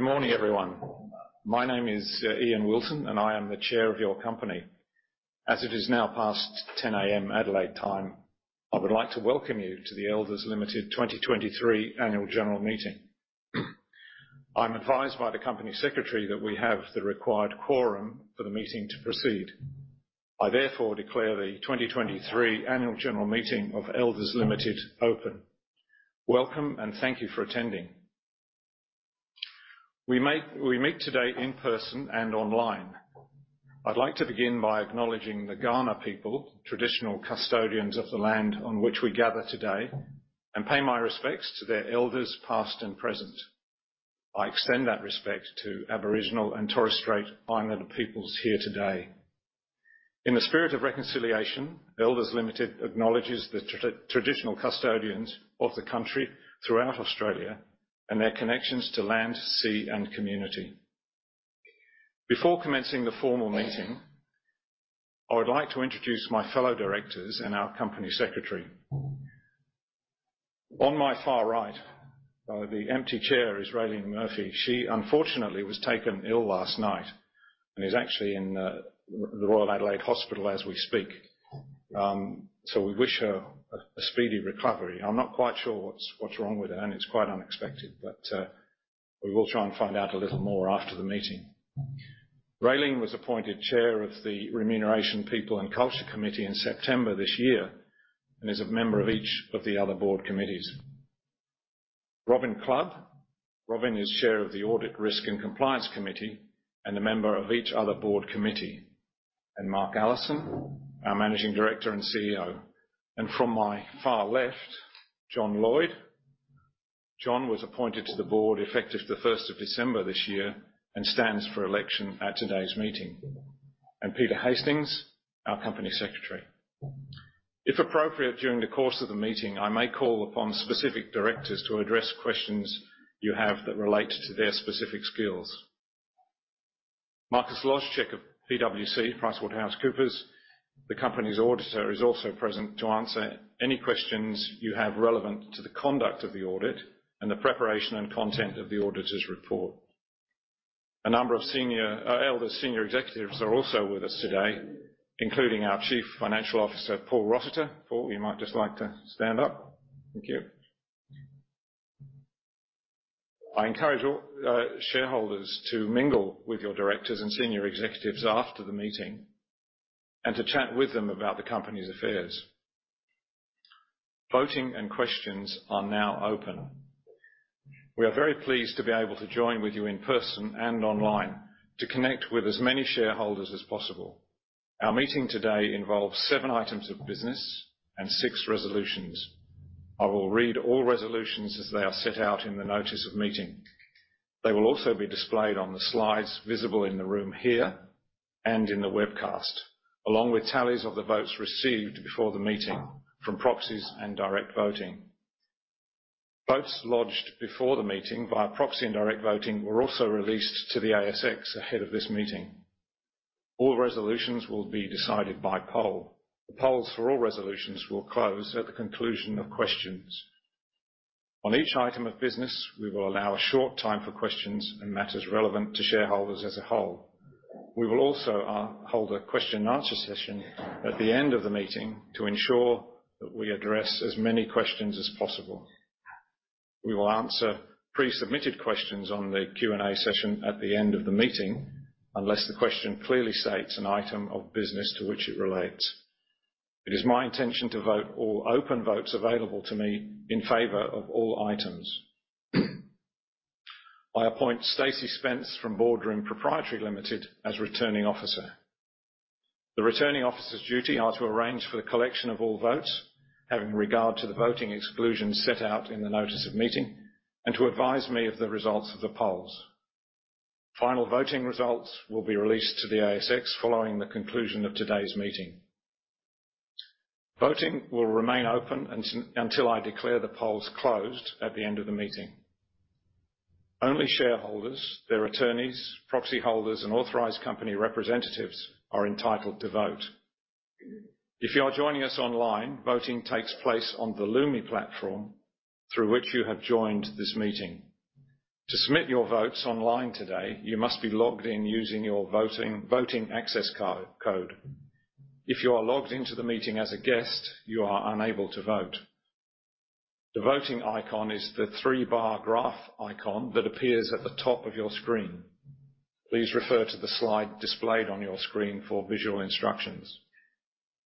Good morning, everyone. My name is Ian Wilton, and I am the chair of your company. As it is now past 10 A.M. Adelaide time, I would like to welcome you to the Elders Limited 2023 Annual General Meeting. I'm advised by the Company Secretary that we have the required quorum for the meeting to proceed. I therefore declare the 2023 Annual General Meeting of Elders Limited open. Welcome, and thank you for attending. We meet today in person and online. I'd like to begin by acknowledging the Kaurna people, traditional custodians of the land on which we gather today, and pay my respects to their elders, past and present. I extend that respect to Aboriginal and Torres Strait Islander peoples here today. In the spirit of reconciliation, Elders Limited acknowledges the traditional custodians of the country throughout Australia and their connections to land, sea, and community. Before commencing the formal meeting, I would like to introduce my fellow directors and our company secretary. On my far right, the empty chair is Raelene Murphy. She unfortunately was taken ill last night and is actually in the Royal Adelaide Hospital as we speak. So we wish her a speedy recovery. I'm not quite sure what's wrong with her, and it's quite unexpected but we will try and find out a little more after the meeting. Raelene was appointed Chair of the Remuneration, People, and Culture Committee in September this year and is a member of each of the other board committees. Robyn Clubb. Robyn is chair of the Audit, Risk, and Compliance Committee and a member of each other board committee. Mark Allison, our Managing Director and CEO. From my far left, John Lloyd. John was appointed to the board effective the first of December this year and stands for election at today's meeting. Peter Hastings, our Company Secretary. If appropriate, during the course of the meeting, I may call upon specific directors to address questions you have that relate to their specific skills. Marcus Lojszczyk of PwC, PricewaterhouseCoopers, the company's auditor, is also present to answer any questions you have relevant to the conduct of the audit and the preparation and content of the auditor's report. A number of senior Elders' senior executives are also with us today, including our Chief Financial Officer, Paul Rossiter. Paul, you might just like to stand up. Thank you. I encourage all, shareholders to mingle with your directors and senior executives after the meeting, and to chat with them about the company's affairs. Voting and questions are now open. We are very pleased to be able to join with you in person and online to connect with as many shareholders as possible. Our meeting today involves seven items of business and six resolutions. I will read all resolutions as they are set out in the notice of meeting. They will also be displayed on the slides visible in the room here and in the webcast, along with tallies of the votes received before the meeting from proxies and direct voting. Votes lodged before the meeting via proxy and direct voting were also released to the ASX ahead of this meeting. All resolutions will be decided by poll. The polls for all resolutions will close at the conclusion of questions. On each item of business, we will allow a short time for questions and matters relevant to shareholders as a whole. We will also, hold a question and answer session at the end of the meeting to ensure that we address as many questions as possible. We will answer pre-submitted questions on the Q&A session at the end of the meeting, unless the question clearly states an item of business to which it relates. It is my intention to vote all open votes available to me in favor of all items. I appoint Stacey Spence from Boardroom Pty Limited as Returning Officer. The Returning Officer's duty are to arrange for the collection of all votes, having regard to the voting exclusions set out in the notice of meeting, and to advise me of the results of the polls. Final voting results will be released to the ASX following the conclusion of today's meeting. Voting will remain open until I declare the polls closed at the end of the meeting. Only shareholders, their attorneys, proxy holders, and authorized company representatives are entitled to vote. If you are joining us online, voting takes place on the Lumi platform, through which you have joined this meeting. To submit your votes online today, you must be logged in using your voting access code. If you are logged into the meeting as a guest, you are unable to vote. The voting icon is the three-bar graph icon that appears at the top of your screen. Please refer to the slide displayed on your screen for visual instructions.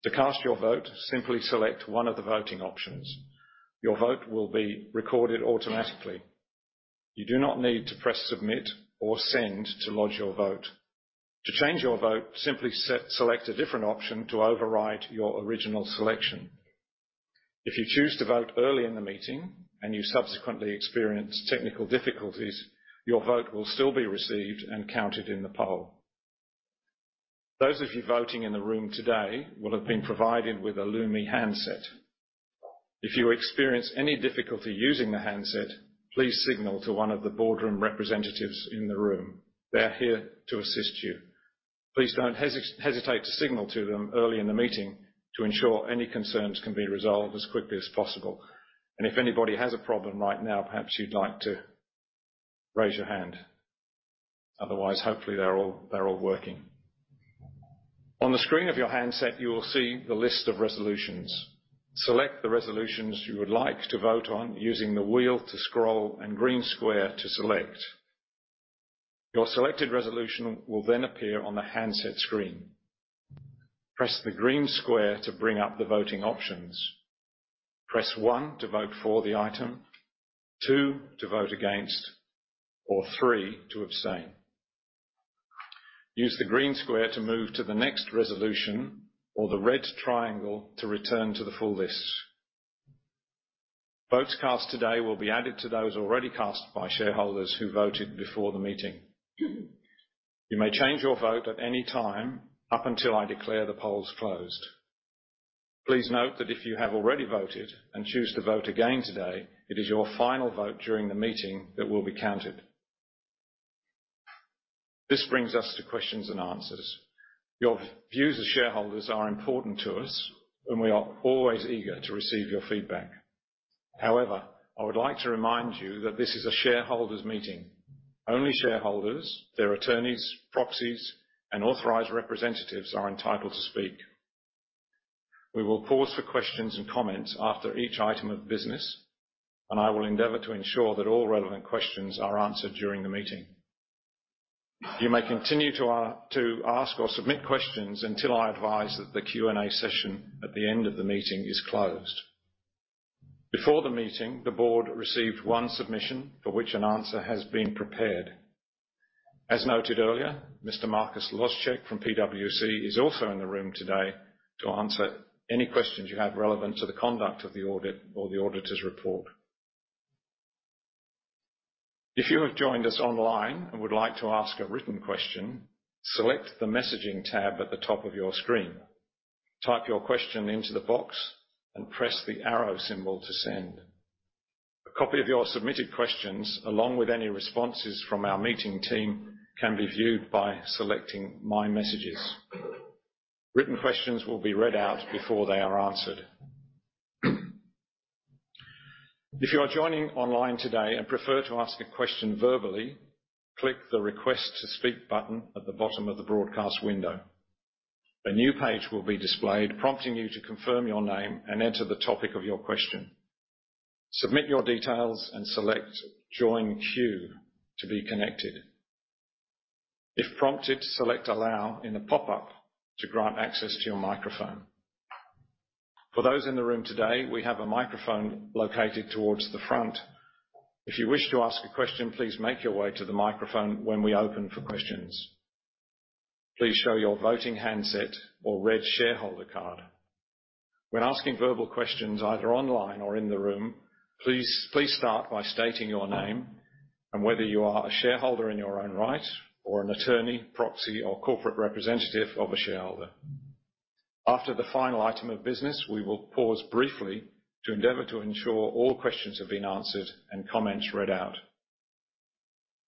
To cast your vote, simply select one of the voting options. Your vote will be recorded automatically. You do not need to press, submit, or send to lodge your vote. To change your vote, simply select a different option to override your original selection. If you choose to vote early in the meeting and you subsequently experience technical difficulties, your vote will still be received and counted in the poll. Those of you voting in the room today will have been provided with a Lumi handset. If you experience any difficulty using the handset, please signal to one of the boardroom representatives in the room. They're here to assist you. Please don't hesitate to signal to them early in the meeting to ensure any concerns can be resolved as quickly as possible. If anybody has a problem right now, perhaps you'd like to raise your hand. Otherwise, hopefully, they're all, they're all working. On the screen of your handset, you will see the list of resolutions. Select the resolutions you would like to vote on using the wheel to scroll and green square to select. Your selected resolution will then appear on the handset screen. Press the green square to bring up the voting options. Press one to vote for the item, two to vote against, or three to abstain. Use the green square to move to the next resolution or the red triangle to return to the full list. Votes cast today will be added to those already cast by shareholders who voted before the meeting. You may change your vote at any time up until I declare the polls closed. Please note that if you have already voted and choose to vote again today, it is your final vote during the meeting that will be counted. This brings us to questions and answers. Your views as shareholders are important to us, and we are always eager to receive your feedback. However, I would like to remind you that this is a shareholders' meeting. Only shareholders, their attorneys, proxies, and authorized representatives are entitled to speak. We will pause for questions and comments after each item of business, and I will endeavor to ensure that all relevant questions are answered during the meeting. You may continue to, to ask or submit questions until I advise that the Q&A session at the end of the meeting is closed. Before the meeting, the board received one submission, for which an answer has been prepared. As noted earlier, Mr. Marcus Lojszczyk from PwC is also in the room today to answer any questions you have relevant to the conduct of the audit or the auditor's report. If you have joined us online and would like to ask a written question, select the Messaging tab at the top of your screen. Type your question into the box and press the arrow symbol to send. A copy of your submitted questions, along with any responses from our meeting team, can be viewed by selecting My Messages. Written questions will be read out before they are answered. If you are joining online today and prefer to ask a question verbally, click the Request to Speak button at the bottom of the broadcast window. A new page will be displayed, prompting you to confirm your name and enter the topic of your question. Submit your details and select Join Queue to be connected. If prompted, select Allow in the pop-up to grant access to your microphone. For those in the room today, we have a microphone located towards the front. If you wish to ask a question, please make your way to the microphone when we open for questions. Please show your voting handset or red shareholder card. When asking verbal questions, either online or in the room, please, please start by stating your name and whether you are a shareholder in your own right, or an attorney, proxy, or corporate representative of a shareholder. After the final item of business, we will pause briefly to endeavor to ensure all questions have been answered and comments read out.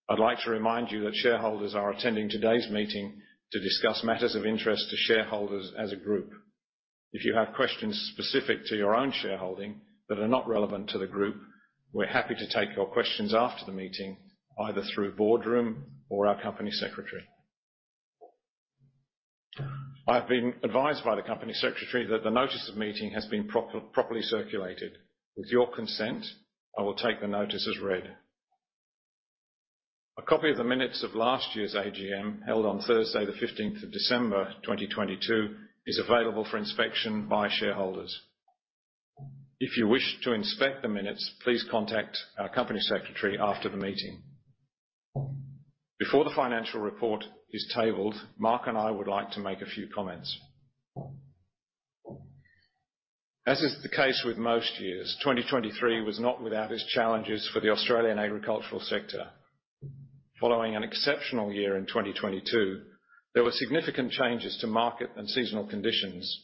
I'd like to remind you that shareholders are attending today's meeting to discuss matters of interest to shareholders as a group. If you have questions specific to your own shareholding that are not relevant to the group, we're happy to take your questions after the meeting, either through Boardroom or our company secretary. I've been advised by the company secretary that the notice of meeting has been properly circulated. With your consent, I will take the notice as read. A copy of the minutes of last year's AGM, held on Thursday, the December 15th, 2022, is available for inspection by shareholders. If you wish to inspect the minutes, please contact our company secretary after the meeting. Before the financial report is tabled, Mark and I would like to make a few comments. As is the case with most years, 2023 was not without its challenges for the Australian agricultural sector. Following an exceptional year in 2022, there were significant changes to market and seasonal conditions,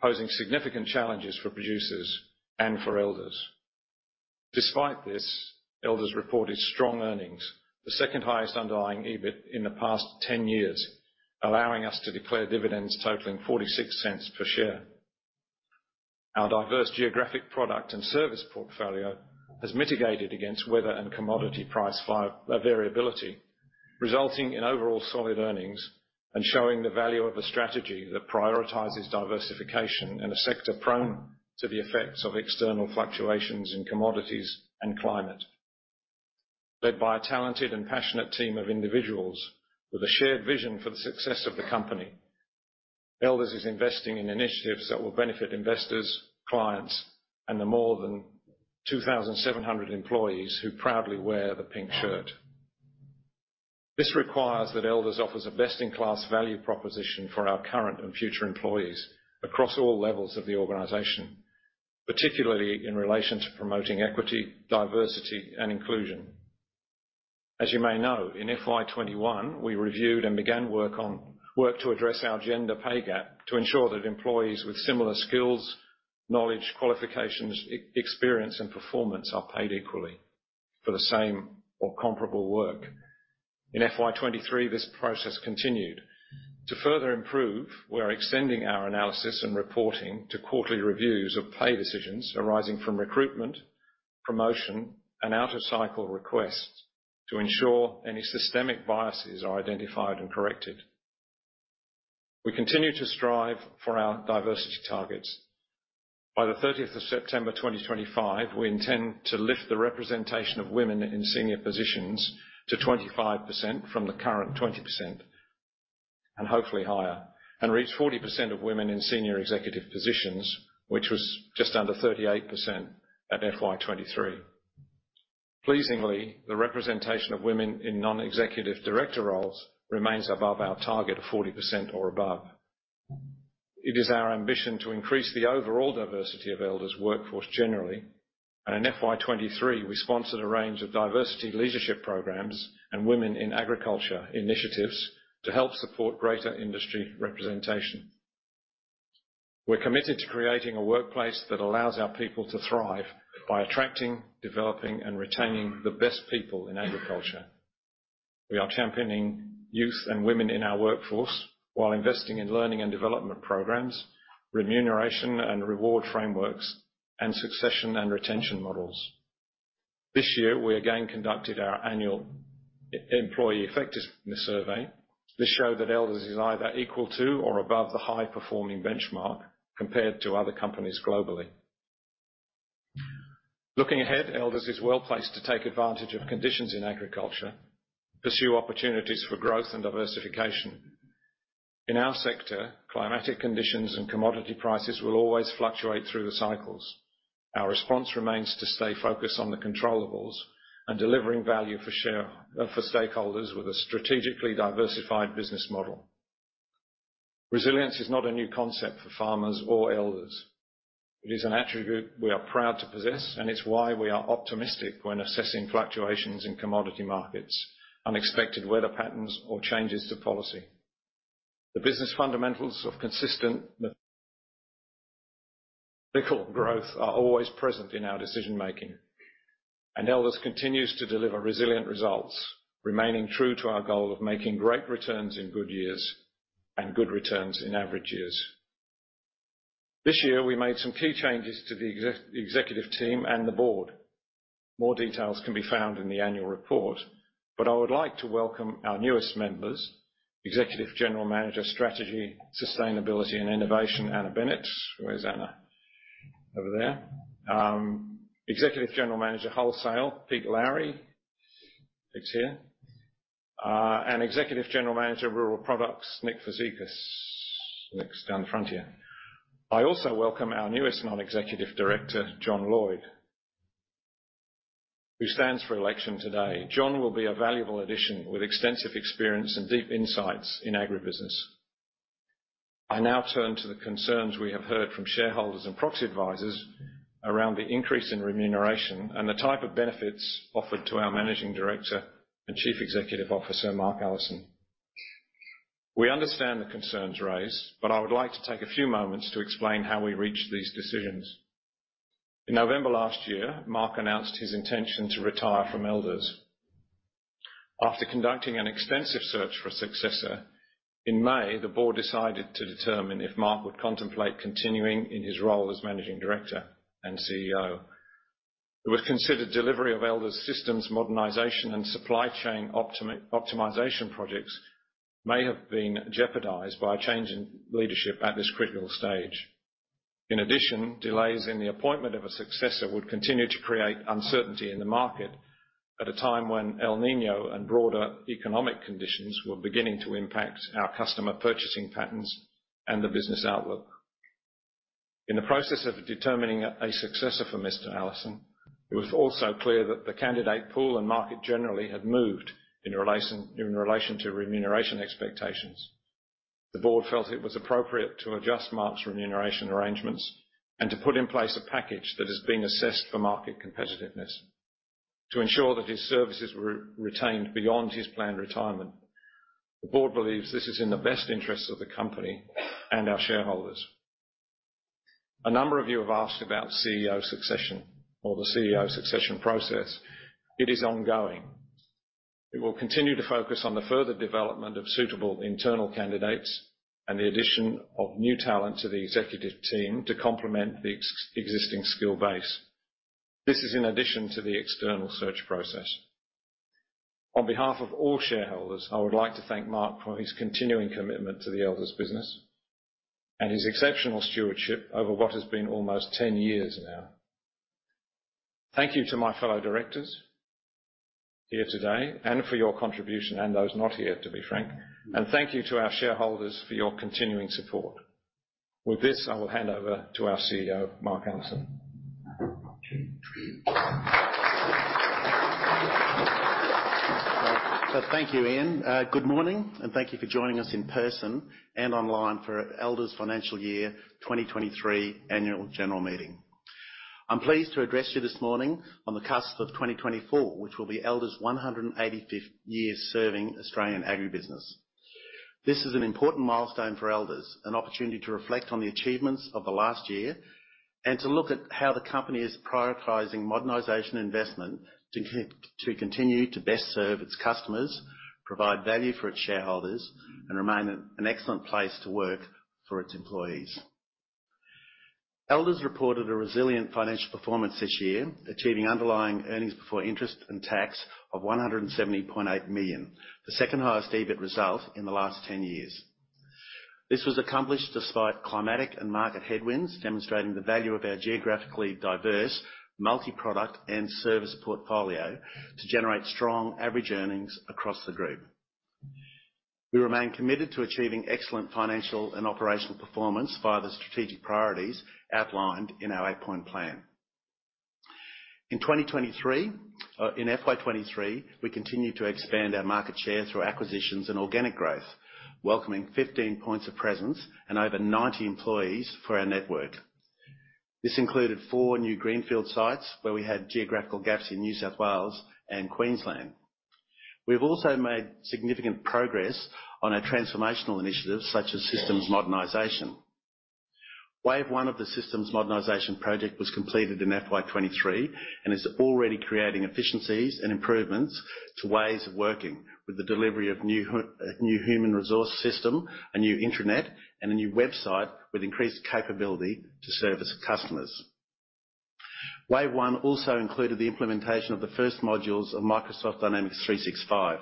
posing significant challenges for producers and for Elders. Despite this, Elders reported strong earnings, the second highest underlying EBIT in the past 10 years, allowing us to declare dividends totaling 0.46 per share. Our diverse geographic product and service portfolio has mitigated against weather and commodity price variability, resulting in overall solid earnings and showing the value of a strategy that prioritizes diversification in a sector prone to the effects of external fluctuations in commodities and climate. Led by a talented and passionate team of individuals with a shared vision for the success of the company, Elders is investing in initiatives that will benefit investors, clients, and the more than 2,700 employees who proudly wear the pink shirt. This requires that Elders offers a best-in-class value proposition for our current and future employees across all levels of the organization, particularly in relation to promoting equity, diversity, and inclusion. As you may know, in FY 2021, we reviewed and began work to address our gender pay gap to ensure that employees with similar skills, knowledge, qualifications, experience, and performance are paid equally for the same or comparable work. In FY 2023, this process continued. To further improve, we are extending our analysis and reporting to quarterly reviews of pay decisions arising from recruitment, promotion, and out-of-cycle requests to ensure any systemic biases are identified and corrected. We continue to strive for our diversity targets. By the September 30th, 2025, we intend to lift the representation of women in senior positions to 25% from the current 20%, and hopefully higher, and reach 40% of women in senior executive positions, which was just under 38% at FY 2023. Pleasingly, the representation of women in non-executive director roles remains above our target of 40% or above. It is our ambition to increase the overall diversity of Elders' workforce generally, and in FY 2023, we sponsored a range of diversity leadership programs and women in agriculture initiatives to help support greater industry representation. We're committed to creating a workplace that allows our people to thrive by attracting, developing, and retaining the best people in agriculture. We are championing youth and women in our workforce while investing in learning and development programs, remuneration and reward frameworks, and succession and retention models. This year, we again conducted our annual employee effectiveness survey. This showed that Elders is either equal to or above the high-performing benchmark compared to other companies globally. Looking ahead, Elders is well-placed to take advantage of conditions in agriculture, pursue opportunities for growth and diversification. In our sector, climatic conditions and commodity prices will always fluctuate through the cycles. Our response remains to stay focused on the controllables and delivering value for stakeholders with a strategically diversified business model. Resilience is not a new concept for farmers or Elders. It is an attribute we are proud to possess, and it's why we are optimistic when assessing fluctuations in commodity markets, unexpected weather patterns, or changes to policy. The business fundamentals of consistent growth are always present in our decision making, and Elders continues to deliver resilient results, remaining true to our goal of making great returns in good years and good returns in average years. This year, we made some key changes to the executive team and the board. More details can be found in the annual report, but I would like to welcome our newest members, Executive General Manager, Strategy, Sustainability, and Innovation, Anna Bennetts. Where's Anna? Over there. Executive General Manager, Wholesale, Pete Lowry. Pete's here. And Executive General Manager, Rural Products, Nick Fazekas. Nick's down the front here. I also welcome our newest Non-Executive Director, John Lloyd, who stands for election today. John will be a valuable addition, with extensive experience and deep insights in agribusiness. I now turn to the concerns we have heard from shareholders and proxy advisors around the increase in remuneration and the type of benefits offered to our Managing Director and Chief Executive Officer, Mark Allison. We understand the concerns raised, but I would like to take a few moments to explain how we reached these decisions. In November last year, Mark announced his intention to retire from Elders. After conducting an extensive search for a successor, in May, the board decided to determine if Mark would contemplate continuing in his role as Managing Director and CEO. It was considered delivery of Elders' Systems Modernization and supply chain optimization projects may have been jeopardized by a change in leadership at this critical stage. In addition, delays in the appointment of a successor would continue to create uncertainty in the market at a time when El Niño and broader economic conditions were beginning to impact our customer purchasing patterns and the business outlook. In the process of determining a successor for Mr. Allison, it was also clear that the candidate pool and market generally had moved in relation to remuneration expectations. The board felt it was appropriate to adjust Mark's remuneration arrangements and to put in place a package that has been assessed for market competitiveness to ensure that his services were retained beyond his planned retirement. The board believes this is in the best interest of the company and our shareholders. A number of you have asked about CEO succession or the CEO succession process. It is ongoing. It will continue to focus on the further development of suitable internal candidates and the addition of new talent to the executive team to complement the existing skill base. This is in addition to the external search process. On behalf of all shareholders, I would like to thank Mark for his continuing commitment to the Elders business and his exceptional stewardship over what has been almost 10 years now. Thank you to my fellow directors here today and for your contribution, and those not here, to be frank, and thank you to our shareholders for your continuing support. With this, I will hand over to our CEO, Mark Allison. So thank you, Ian. Good morning, and thank you for joining us in person and online for Elders' financial year 2023 annual general meeting. I'm pleased to address you this morning on the cusp of 2024, which will be Elders' 185th year serving Australian agribusiness.... This is an important milestone for Elders, an opportunity to reflect on the achievements of the last year and to look at how the company is prioritizing modernization investment to continue to best serve its customers, provide value for its shareholders, and remain an excellent place to work for its employees. Elders reported a resilient financial performance this year, achieving underlying earnings before interest and tax of 170.8 million, the second-highest EBIT result in the last 10 years. This was accomplished despite climatic and market headwinds, demonstrating the value of our geographically diverse multi-product and service portfolio to generate strong average earnings across the group. We remain committed to achieving excellent financial and operational performance via the strategic priorities outlined in our Eight-Point Plan. In 2023, in FY 2023, we continued to expand our market share through acquisitions and organic growth, welcoming 15 points of presence and over 90 employees for our network. This included four new greenfield sites, where we had geographical gaps in New South Wales and Queensland. We've also made significant progress on our transformational initiatives, such as Systems Modernization. Wave one of the systems modernization project was completed in FY 2023 and is already creating efficiencies and improvements to ways of working, with the delivery of new human resource system, a new intranet, and a new website with increased capability to service customers. Wave one also included the implementation of the first modules of Microsoft Dynamics 365,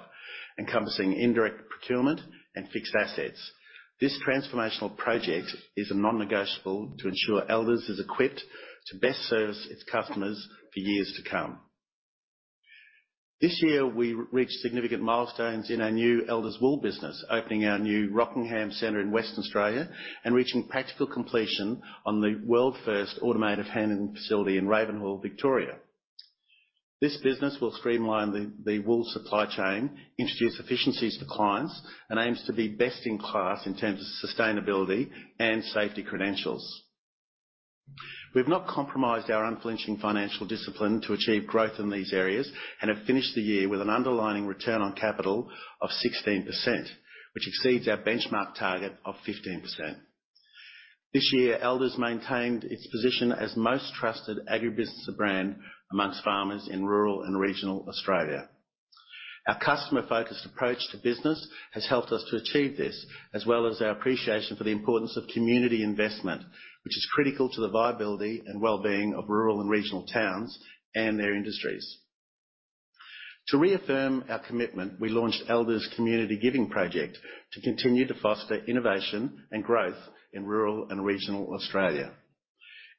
encompassing indirect procurement and fixed assets. This transformational project is a non-negotiable to ensure Elders is equipped to best service its customers for years to come. This year, we reached significant milestones in our new Elders Wool business, opening our new Rockingham Centre in Western Australia and reaching practical completion on the world's first automated handling facility in Ravenhall, Victoria. This business will streamline the wool supply chain, introduce efficiencies to clients, and aims to be best in class in terms of sustainability and safety credentials. We've not compromised our unflinching financial discipline to achieve growth in these areas, and have finished the year with an underlying return on capital of 16%, which exceeds our benchmark target of 15%. This year, Elders maintained its position as most trusted agribusiness brand among farmers in rural and regional Australia. Our customer-focused approach to business has helped us to achieve this, as well as our appreciation for the importance of community investment, which is critical to the viability and well-being of rural and regional towns and their industries. To reaffirm our commitment, we launched Elders Community Giving Project to continue to foster innovation and growth in rural and regional Australia.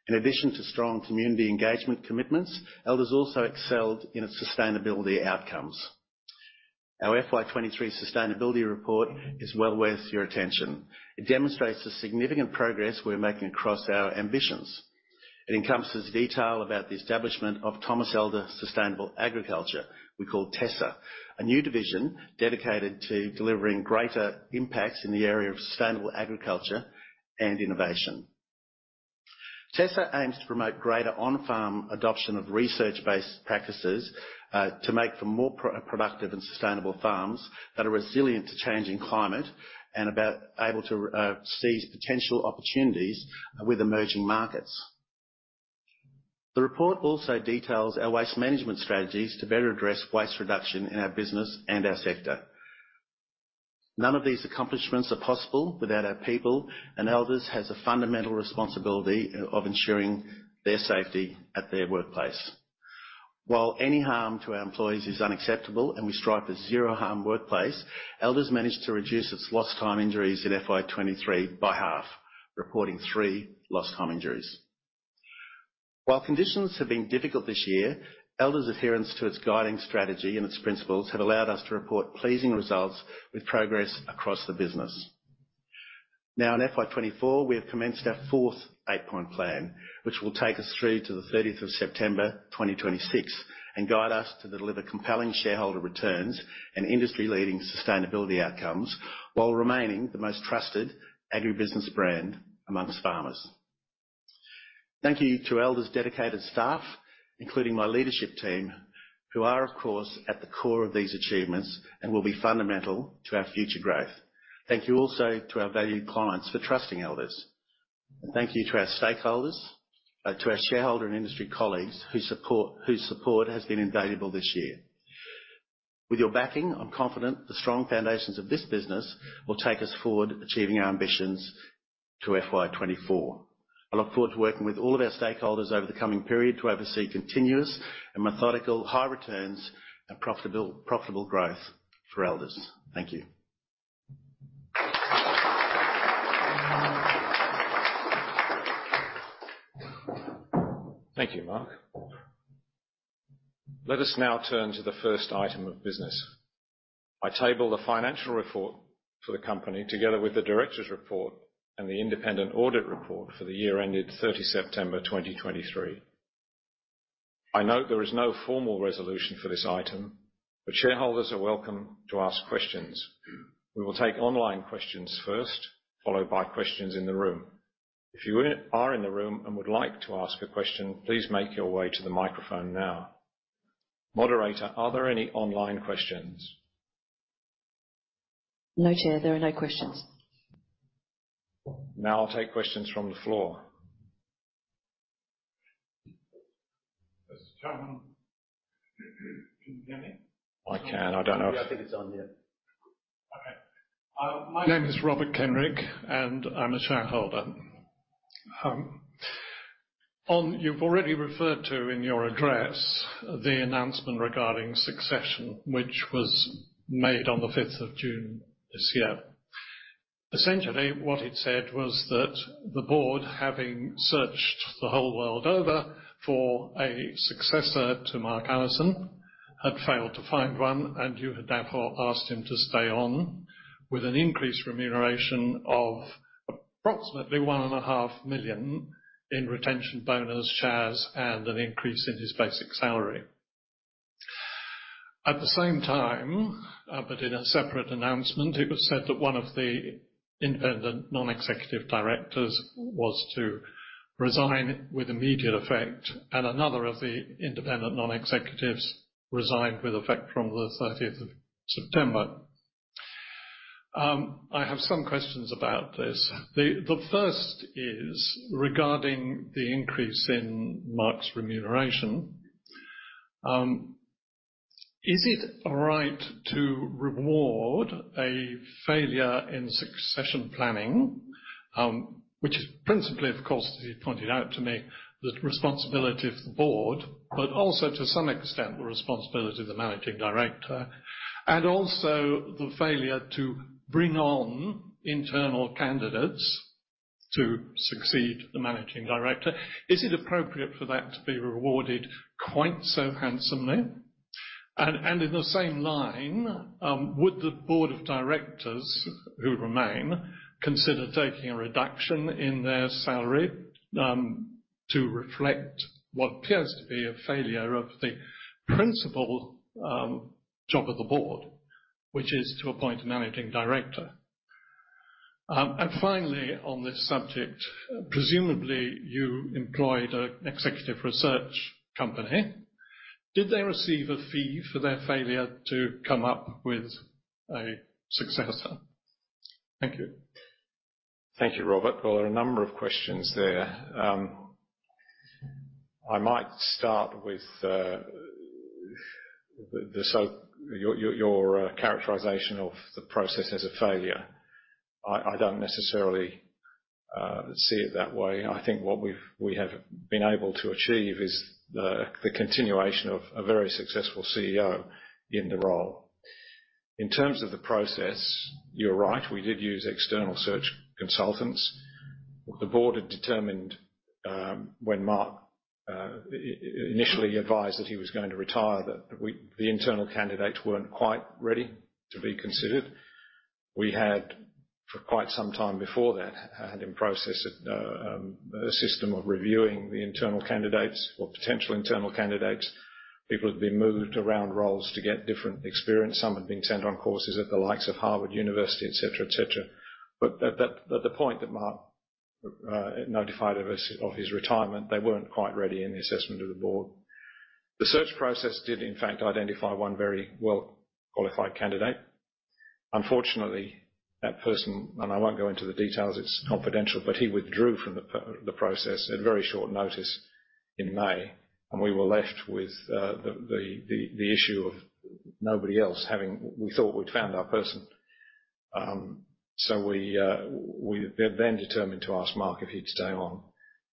In addition to strong community engagement commitments, Elders also excelled in its sustainability outcomes. Our FY 2023 sustainability report is well worth your attention. It demonstrates the significant progress we're making across our ambitions. It encompasses detail about the establishment of Thomas Elder Sustainable Agriculture, we call TESA, a new division dedicated to delivering greater impacts in the area of sustainable agriculture and innovation. TESA aims to promote greater on-farm adoption of research-based practices, to make for more productive and sustainable farms that are resilient to changing climate and able to seize potential opportunities with emerging markets. The report also details our waste management strategies to better address waste reduction in our business and our sector. None of these accomplishments are possible without our people, and Elders has a fundamental responsibility of ensuring their safety at their workplace. While any harm to our employees is unacceptable, and we strive for zero harm workplace, Elders managed to reduce its lost time injuries in FY 2023 by half, reporting three lost time injuries. While conditions have been difficult this year, Elders' adherence to its guiding strategy and its principles have allowed us to report pleasing results with progress across the business. Now, in FY 2024, we have commenced our fourth Eight-Point Plan, which will take us through to the thirtieth of September, 2026, and guide us to deliver compelling shareholder returns and industry-leading sustainability outcomes, while remaining the most trusted agribusiness brand amongst farmers. Thank you to Elders' dedicated staff, including my leadership team, who are, of course, at the core of these achievements and will be fundamental to our future growth. Thank you also to our valued clients for trusting Elders. And thank you to our stakeholders, to our shareholder and industry colleagues, whose support, whose support has been invaluable this year. With your backing, I'm confident the strong foundations of this business will take us forward, achieving our ambitions to FY 2024. I look forward to working with all of our stakeholders over the coming period to oversee continuous and methodical high returns and profitable, profitable growth for Elders. Thank you. Thank you, Mark. Let us now turn to the first item of business. I table the financial report for the company, together with the directors' report and the independent audit report for the year ended 30 September 2023. I note there is no formal resolution for this item, but shareholders are welcome to ask questions. We will take online questions first, followed by questions in the room. If you are in the room and would like to ask a question, please make your way to the microphone now. Moderator, are there any online questions? No, Chair, there are no questions. Now I'll take questions from the floor. Mr. Chairman, can you hear me? I can. I don't know if- I think it's on, yeah. Okay. My name is Robert Kendrick, and I'm a shareholder. You've already referred to in your address, the announcement regarding succession, which was made on the fifth of June this year. Essentially, what it said was that the board, having searched the whole world over for a successor to Mark Allison, had failed to find one, and you had therefore asked him to stay on with an increased remuneration of approximately 1.5 million in retention bonus shares and an increase in his basic salary. At the same time, but in a separate announcement, it was said that one of the independent non-executive directors was to resign with immediate effect, and another of the independent non-executives resigned with effect from the thirtieth of September. I have some questions about this. The first is regarding the increase in Mark's remuneration. Is it right to reward a failure in succession planning, which is principally, of course, as you pointed out to me, the responsibility of the board, but also to some extent, the responsibility of the managing director, and also the failure to bring on internal candidates to succeed the managing director? Is it appropriate for that to be rewarded quite so handsomely? And in the same line, would the board of directors who remain consider taking a reduction in their salary to reflect what appears to be a failure of the principal job of the board, which is to appoint a Managing Director? And finally, on this subject, presumably, you employed an executive search company. Did they receive a fee for their failure to come up with a successor? Thank you. Thank you, Robert. Well, there are a number of questions there. I might start with your characterization of the process as a failure. I don't necessarily see it that way. I think what we have been able to achieve is the continuation of a very successful CEO in the role. In terms of the process, you're right, we did use external search consultants. The board had determined, when Mark initially advised that he was going to retire, that we the internal candidates weren't quite ready to be considered. We had for quite some time before that, had in process a system of reviewing the internal candidates or potential internal candidates. People had been moved around roles to get different experience. Some had been sent on courses at the likes of Harvard University, et cetera, et cetera. But at that, at the point that Mark notified of us, of his retirement, they weren't quite ready in the assessment of the board. The search process did, in fact, identify one very well-qualified candidate. Unfortunately, that person, and I won't go into the details, it's confidential, but he withdrew from the process at very short notice in May, and we were left with the issue of nobody else having... We thought we'd found our person. So we then determined to ask Mark if he'd stay on.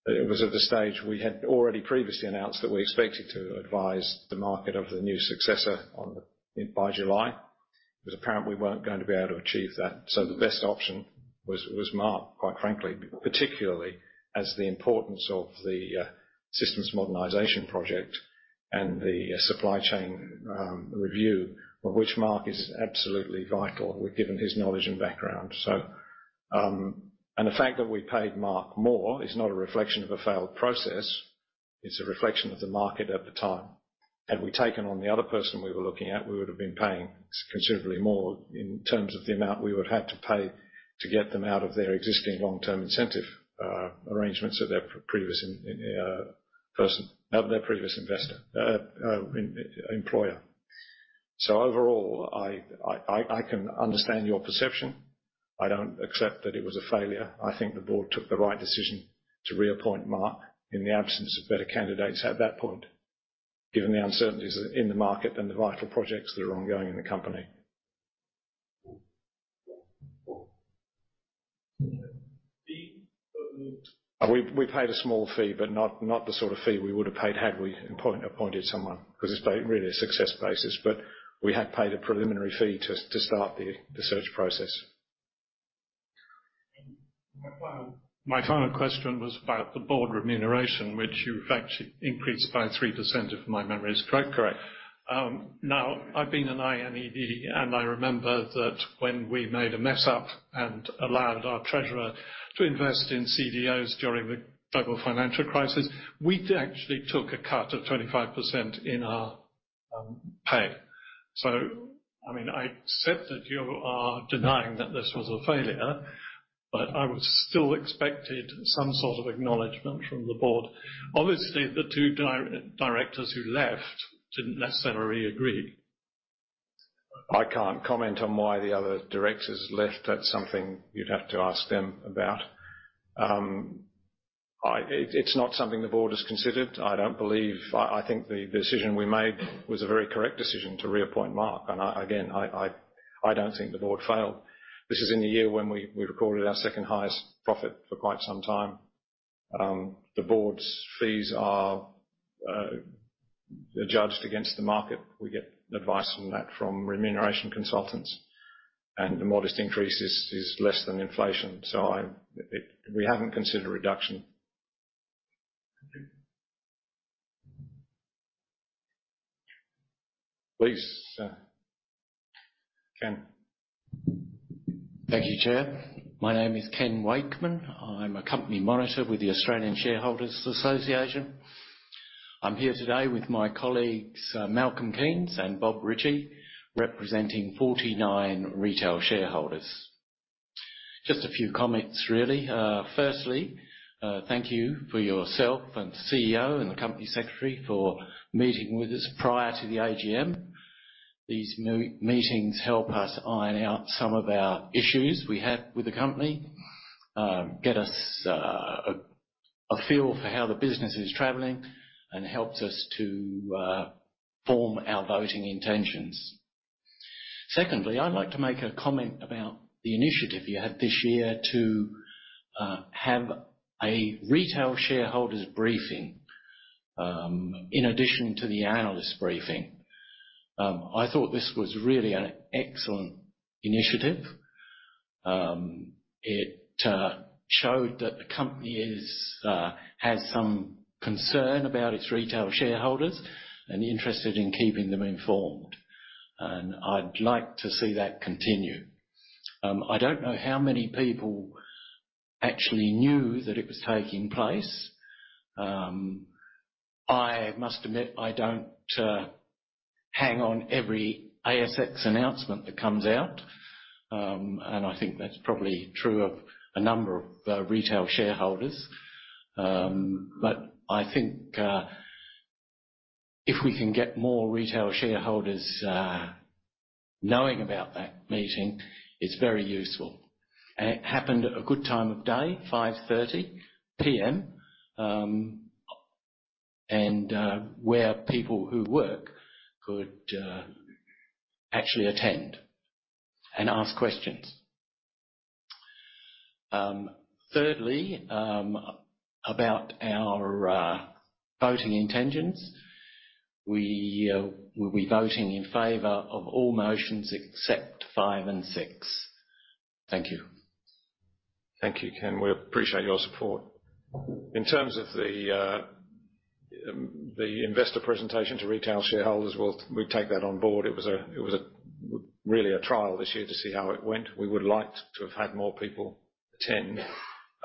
It was at the stage we had already previously announced that we expected to advise the market of the new successor on the, by July. It was apparent we weren't going to be able to achieve that, so the best option was Mark, quite frankly, particularly as the importance of the systems modernization project and the supply chain review, of which Mark is absolutely vital with, given his knowledge and background. So, and the fact that we paid Mark more is not a reflection of a failed process; it's a reflection of the market at the time. Had we taken on the other person we were looking at, we would have been paying considerably more in terms of the amount we would have to pay to get them out of their existing long-term incentive arrangements of their previous employer. So overall, I can understand your perception. I don't accept that it was a failure. I think the board took the right decision to reappoint Mark in the absence of better candidates at that point, given the uncertainties in the market and the vital projects that are ongoing in the company. The, um- We paid a small fee, but not the sort of fee we would have paid had we appointed someone, because it's pay, really a success basis, but we had paid a preliminary fee to start the search process. My final question was about the board remuneration, which you in fact increased by 3%, if my memory is correct. Correct. Now, I've been an INED, and I remember that when we made a mess up and allowed our treasurer to invest in CDOs during the global financial crisis, we actually took a cut of 25% in our pay. So, I mean, I accept that you are denying that this was a failure, but I would still expected some sort of acknowledgment from the board. Obviously, the two directors who left didn't necessarily agree. I can't comment on why the other directors left. That's something you'd have to ask them about. It, it's not something the board has considered. I don't believe... I think the decision we made was a very correct decision to reappoint Mark, and again, I don't think the board failed. This is in the year when we recorded our second-highest profit for quite some time. The board's fees are judged against the market. We get advice on that from remuneration consultants, and the modest increase is less than inflation, so it... We haven't considered a reduction. Please, Ken. Thank you, Chair. My name is Ken Wakeman. I'm a company monitor with the Australian Shareholders Association. I'm here today with my colleagues, Malcolm Keynes and Bob Ritchie, representing 49 retail shareholders. Just a few comments, really. Firstly, thank you for yourself and the CEO and the company secretary for meeting with us prior to the AGM. These meetings help us iron out some of our issues we have with the company, get us a feel for how the business is traveling, and helps us to form our voting intentions. Secondly, I'd like to make a comment about the initiative you had this year to have a retail shareholders briefing in addition to the analyst briefing. I thought this was really an excellent initiative. It showed that the company is has some concern about its retail shareholders and interested in keeping them informed, and I'd like to see that continue. I don't know how many people actually knew that it was taking place. I must admit, I don't hang on every ASX announcement that comes out, and I think that's probably true of a number of retail shareholders. But I think if we can get more retail shareholders knowing about that meeting, it's very useful. And it happened at a good time of day, 5:30 P.M., and where people who work could actually attend and ask questions. Thirdly, about our voting intentions. We will be voting in favor of all motions except five and six. Thank you. Thank you, Ken. We appreciate your support. In terms of the investor presentation to retail shareholders, we'll take that on board. It was really a trial this year to see how it went. We would like to have had more people attend.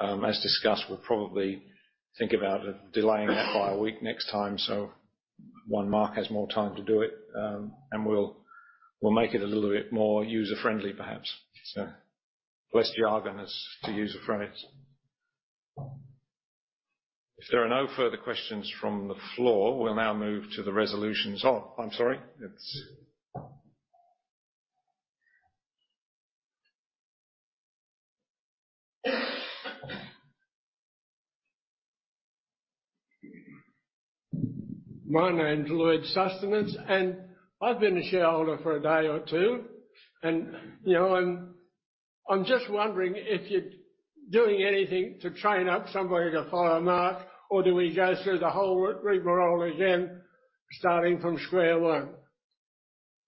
As discussed, we'll probably think about delaying that by a week next time, so when Mark has more time to do it, and we'll make it a little bit more user-friendly, perhaps. So less jargon as to user-friendly. If there are no further questions from the floor, we'll now move to the resolutions. Oh, I'm sorry. It's- My name is Lloyd Sustenance, and I've been a shareholder for a day or two, you know, and I'm just wondering if you're doing anything to train up somebody to follow Mark, or do we go through the whole rigmarole again, starting from square one?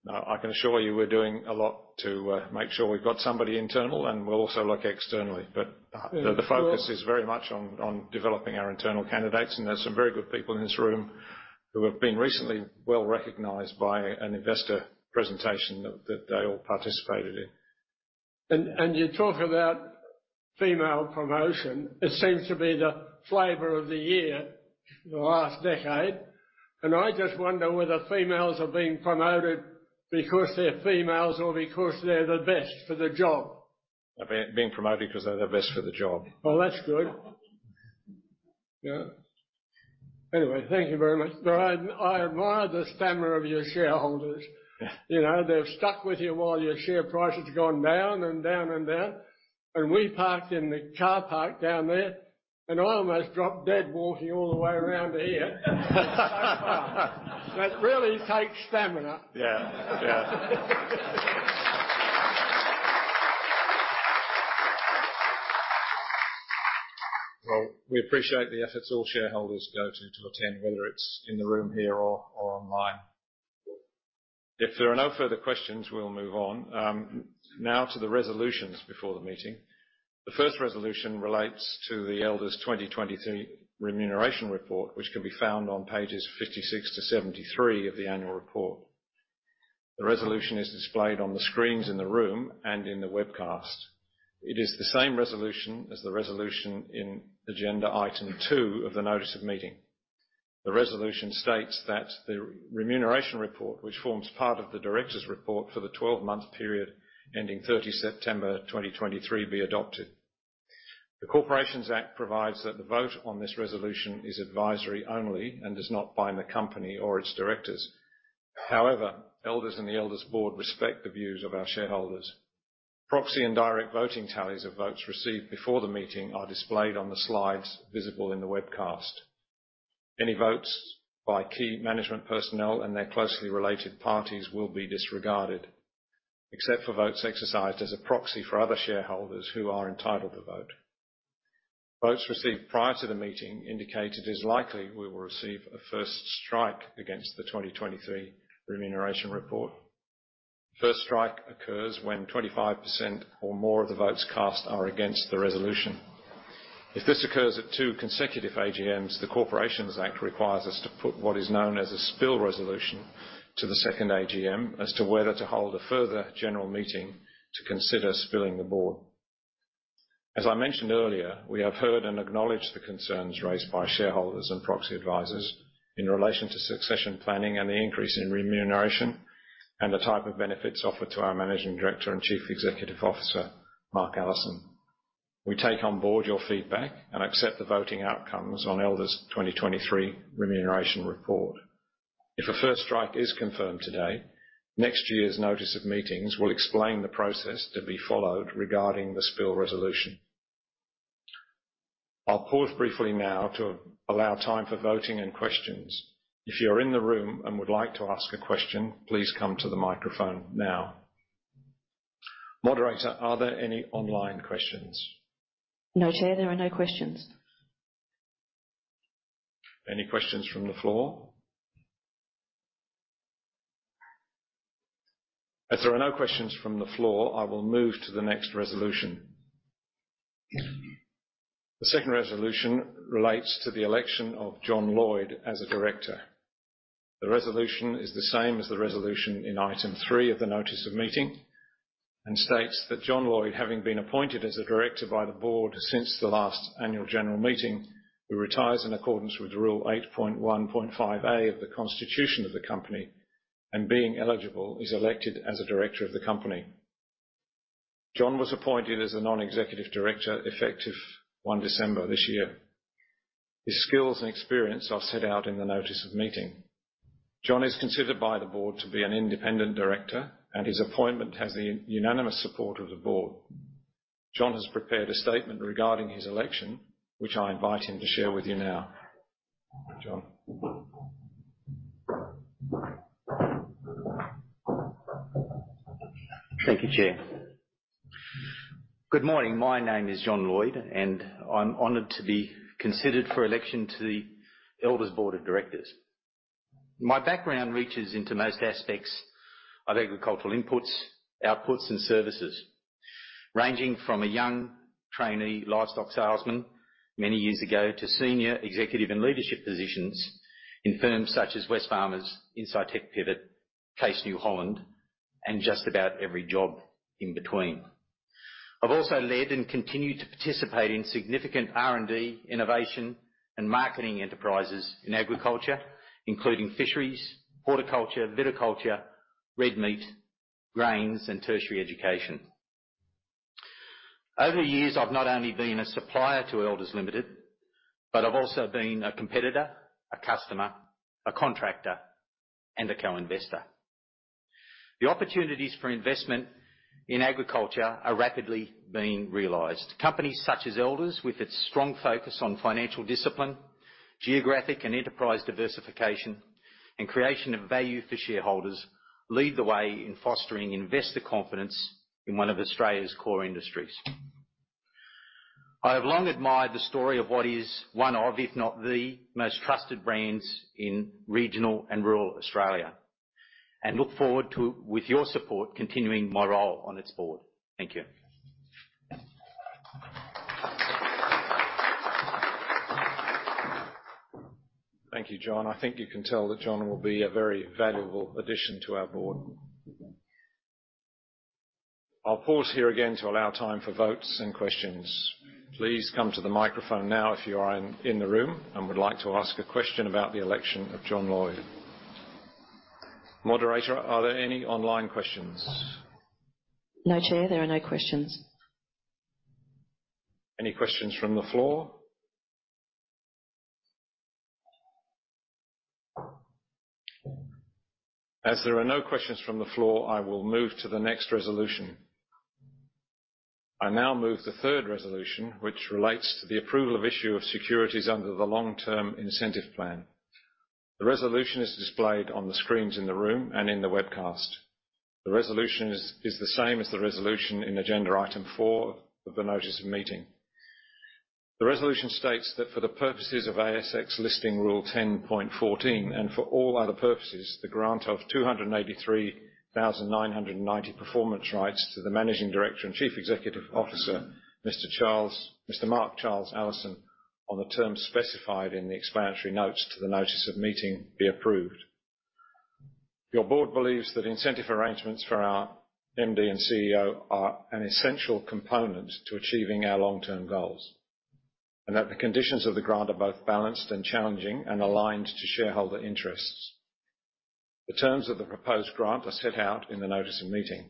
No, I can assure you we're doing a lot to make sure we've got somebody internal, and we'll also look externally. But, the focus is very much on developing our internal candidates, and there's some very good people in this room who have been recently well-recognized by an investor presentation that they all participated in. And you talk about female promotion. It seems to be the flavor of the year, the last decade, and I just wonder whether females are being promoted because they're females or because they're the best for the job? They're being promoted because they're the best for the job. Well, that's good. Yeah. Anyway, thank you very much. But I, I admire the stamina of your shareholders. You know, they've stuck with you while your share price has gone down and down and down. And we parked in the car park down there, and I almost dropped dead walking all the way around to here. That really takes stamina. Yeah. Yeah. Well, we appreciate the efforts all shareholders go to, to attend, whether it's in the room here or, or online. If there are no further questions, we'll move on. Now to the resolutions before the meeting. The first resolution relates to the Elders' 2023 remuneration report, which can be found on pages 56-73 of the annual report. The resolution is displayed on the screens in the room and in the webcast. It is the same resolution as the resolution in agenda item two of the notice of meeting. The resolution states that the remuneration report, which forms part of the directors' report for the twelve-month period ending 30 September 2023, be adopted. The Corporations Act provides that the vote on this resolution is advisory only and does not bind the company or its directors. However, Elders and the Elders Board respect the views of our shareholders. Proxy and direct voting tallies of votes received before the meeting are displayed on the slides visible in the webcast. Any votes by key management personnel and their closely related parties will be disregarded, except for votes exercised as a proxy for other shareholders who are entitled to vote. Votes received prior to the meeting indicate it is likely we will receive a first strike against the 2023 remuneration report. First strike occurs when 25% or more of the votes cast are against the resolution. If this occurs at two consecutive AGMs, the Corporations Act requires us to put what is known as a spill resolution to the second AGM as to whether to hold a further general meeting to consider spilling the board. As I mentioned earlier, we have heard and acknowledged the concerns raised by shareholders and proxy advisors in relation to succession planning and the increase in remuneration, and the type of benefits offered to our Managing Director and Chief Executive Officer, Mark Allison. We take on board your feedback and accept the voting outcomes on Elders' 2023 remuneration report. If a first strike is confirmed today, next year's notice of meetings will explain the process to be followed regarding the spill resolution. I'll pause briefly now to allow time for voting and questions. If you're in the room and would like to ask a question, please come to the microphone now. Moderator, are there any online questions? No, Chair, there are no questions. Any questions from the floor? As there are no questions from the floor, I will move to the next resolution. The second resolution relates to the election of John Lloyd as a director. The resolution is the same as the resolution in item three of the notice of meeting, and states that John Lloyd, having been appointed as a director by the board since the last annual general meeting, who retires in accordance with Rule 8.1.5A of the Constitution of the Company, and being eligible, is elected as a director of the company. John was appointed as a non-executive director effective December 1, 2023. His skills and experience are set out in the notice of meeting. John is considered by the board to be an independent director, and his appointment has the unanimous support of the board. John has prepared a statement regarding his election, which I invite him to share with you now. John? Thank you, Chair. Good morning. My name is John Lloyd, and I'm honored to be considered for election to the Elders Board of Directors. My background reaches into most aspects of agricultural inputs, outputs, and services, ranging from a young trainee livestock salesman many years ago, to senior executive and leadership positions in firms such as Wesfarmers, Incitec Pivot, Case New Holland, and just about every job in between. I've also led and continue to participate in significant R&D, innovation, and marketing enterprises in agriculture, including fisheries, horticulture, viticulture, red meat, grains, and tertiary education. Over the years, I've not only been a supplier to Elders Limited, but I've also been a competitor, a customer, a contractor, and a co-investor. The opportunities for investment in agriculture are rapidly being realized. Companies such as Elders, with its strong focus on financial discipline, geographic and enterprise diversification, and creation of value for shareholders, lead the way in fostering investor confidence in one of Australia's core industries. I have long admired the story of what is one of, if not the, most trusted brands in regional and rural Australia, and look forward to, with your support, continuing my role on its board. Thank you. Thank you, John. I think you can tell that John will be a very valuable addition to our board. I'll pause here again to allow time for votes and questions. Please come to the microphone now if you are in the room and would like to ask a question about the election of John Lloyd. Moderator, are there any online questions? No, Chair, there are no questions. Any questions from the floor? As there are no questions from the floor, I will move to the next resolution. I now move the third resolution, which relates to the approval of issue of securities under the Long Term Incentive Plan. The resolution is displayed on the screens in the room and in the webcast. The resolution is the same as the resolution in agenda item four of the notice of meeting. The resolution states that for the purposes of ASX Listing Rule 10.14, and for all other purposes, the grant of 283,999 performance rights to the Managing Director and Chief Executive Officer, Mr. Mark Allison, on the terms specified in the explanatory notes to the notice of meeting, be approved. Your board believes that incentive arrangements for our MD and CEO are an essential component to achieving our long-term goals, and that the conditions of the grant are both balanced and challenging and aligned to shareholder interests. The terms of the proposed grant are set out in the Notice of Meeting.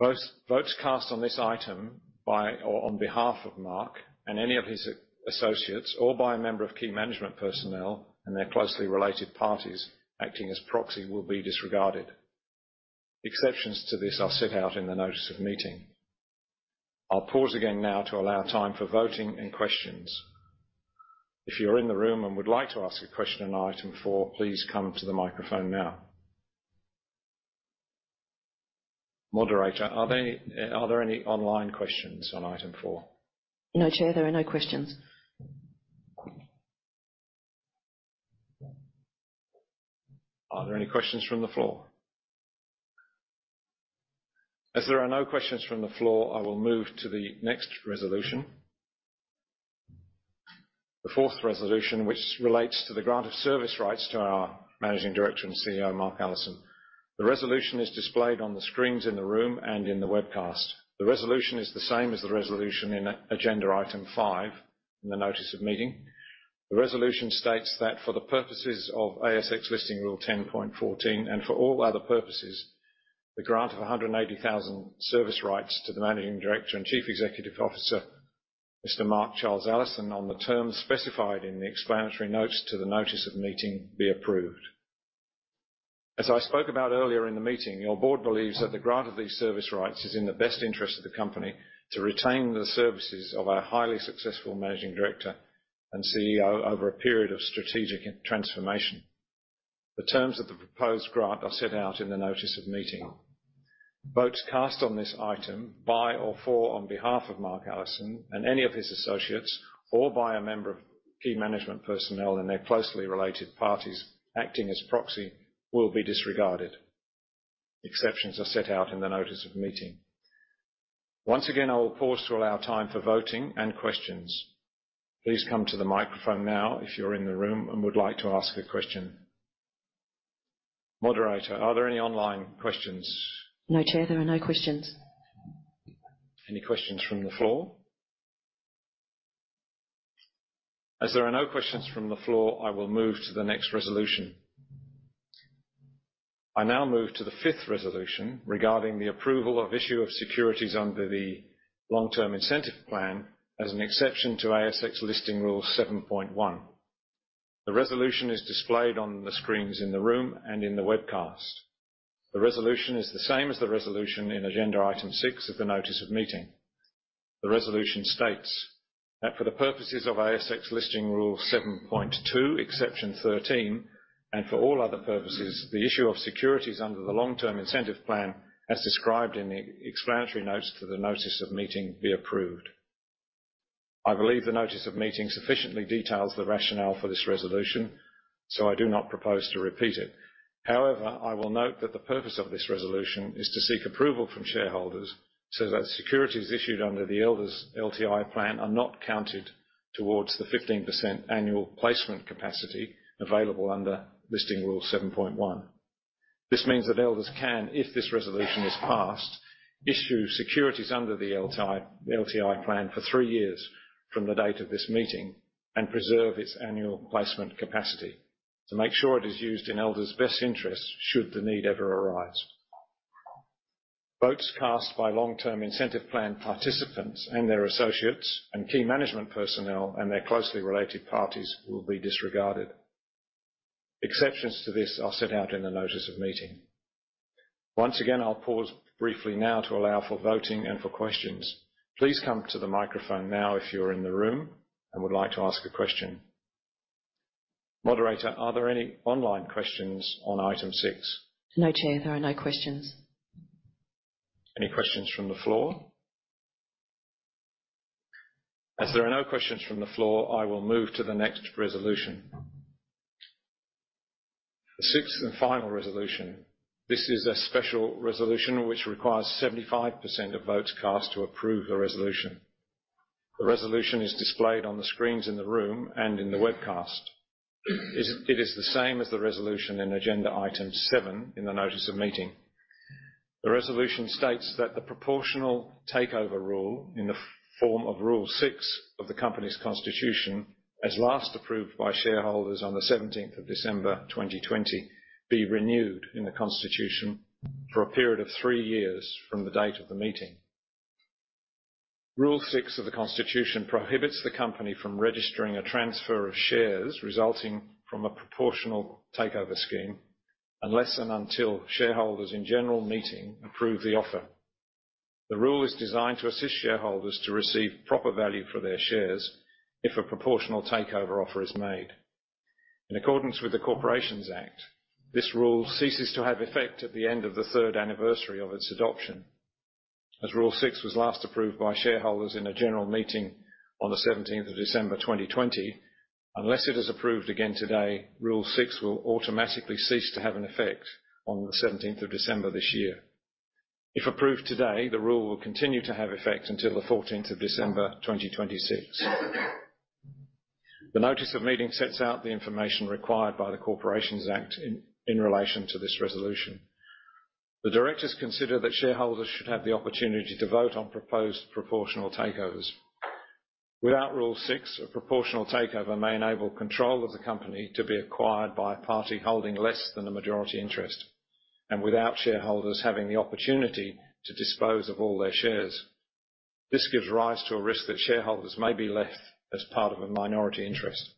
Votes cast on this item by or on behalf of Mark and any of his associates, or by a member of key management personnel and their closely related parties acting as proxy, will be disregarded. Exceptions to this are set out in the Notice of Meeting. I'll pause again now to allow time for voting and questions. If you're in the room and would like to ask a question on Item four, please come to the microphone now. Moderator, are there any online questions on Item four? No, Chair, there are no questions. Are there any questions from the floor? As there are no questions from the floor, I will move to the next resolution. The fourth resolution, which relates to the grant of service rights to our Managing Director and CEO, Mark Allison. The resolution is displayed on the screens in the room and in the webcast. The resolution is the same as the resolution in Agenda Item five in the Notice of Meeting. The resolution states that for the purposes of ASX Listing Rule 10.14, and for all other purposes, the grant of 180,000 service rights to the Managing Director and Chief Executive Officer, Mr. Mark Charles Allison, on the terms specified in the explanatory notes to the Notice of Meeting, be approved. As I spoke about earlier in the meeting, your board believes that the grant of these service rights is in the best interest of the company to retain the services of our highly successful Managing Director and CEO over a period of strategic transformation. The terms of the proposed grant are set out in the Notice of Meeting. Votes cast on this item by or on behalf of Mark Allison and any of his associates, or by a member of key management personnel and their closely related parties acting as proxy, will be disregarded. Exceptions are set out in the Notice of Meeting. Once again, I will pause to allow time for voting and questions. Please come to the microphone now if you're in the room and would like to ask a question. Moderator, are there any online questions? No, Chair, there are no questions. Any questions from the floor? As there are no questions from the floor, I will move to the next resolution. I now move to the fifth resolution regarding the approval of issue of securities under the Long Term Incentive Plan as an exception to ASX Listing Rule 7.1. The resolution is displayed on the screens in the room and in the webcast. The resolution is the same as the resolution in Agenda Item six of the Notice of Meeting. The resolution states that for the purposes of ASX Listing Rule 7.2, Exception 13, and for all other purposes, the issue of securities under the Long Term Incentive Plan, as described in the explanatory notes to the Notice of Meeting, be approved. I believe the Notice of Meeting sufficiently details the rationale for this resolution, so I do not propose to repeat it. However, I will note that the purpose of this resolution is to seek approval from shareholders so that securities issued under the Elders LTI plan are not counted towards the 15% annual placement capacity available under Listing Rule 7.1. This means that Elders can, if this resolution is passed, issue securities under the LTI, LTI plan for three years from the date of this meeting and preserve its annual placement capacity to make sure it is used in Elders' best interests, should the need ever arise. Votes cast by Long Term Incentive Plan participants and their associates, and key management personnel, and their closely related parties will be disregarded. Exceptions to this are set out in the Notice of Meeting. Once again, I'll pause briefly now to allow for voting and for questions. Please come to the microphone now if you're in the room and would like to ask a question. Moderator, are there any online questions on Item six? No, Chair, there are no questions. Any questions from the floor? As there are no questions from the floor, I will move to the next resolution. The sixth and final resolution. This is a special resolution which requires 75% of votes cast to approve the resolution. The resolution is displayed on the screens in the room and in the webcast. It is, it is the same as the resolution in Agenda Item seven in the Notice of Meeting. The resolution states that the proportional takeover rule, in the form of Rule six of the Company's Constitution, as last approved by shareholders on the seventeenth of December, 2020, be renewed in the Constitution for a period of three years from the date of the meeting. Rule 6 of the Constitution prohibits the company from registering a transfer of shares resulting from a proportional takeover scheme, unless and until shareholders in general meeting approve the offer. The rule is designed to assist shareholders to receive proper value for their shares if a proportional takeover offer is made. In accordance with the Corporations Act, this rule ceases to have effect at the end of the third anniversary of its adoption. As Rule 6 was last approved by shareholders in a general meeting on the December 17th, 2020, unless it is approved again today, Rule 6 will automatically cease to have an effect on the 17th of December this year. If approved today, the rule will continue to have effect until the December 14th, 2026. The notice of meeting sets out the information required by the Corporations Act in relation to this resolution. The directors consider that shareholders should have the opportunity to vote on proposed proportional takeovers. Without Rule Six, a proportional takeover may enable control of the company to be acquired by a party holding less than a majority interest, and without shareholders having the opportunity to dispose of all their shares. This gives rise to a risk that shareholders may be left as part of a minority interest.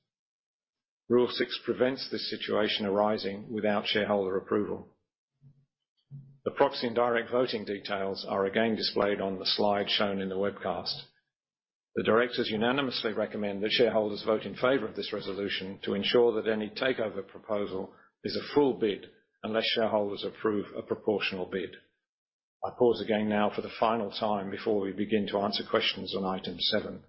Rule Six prevents this situation arising without shareholder approval. The proxy and direct voting details are again displayed on the slide shown in the webcast. The directors unanimously recommend that shareholders vote in favor of this resolution to ensure that any takeover proposal is a full bid, unless shareholders approve a proportional bid. I pause again now for the final time before we begin to answer questions on item seven,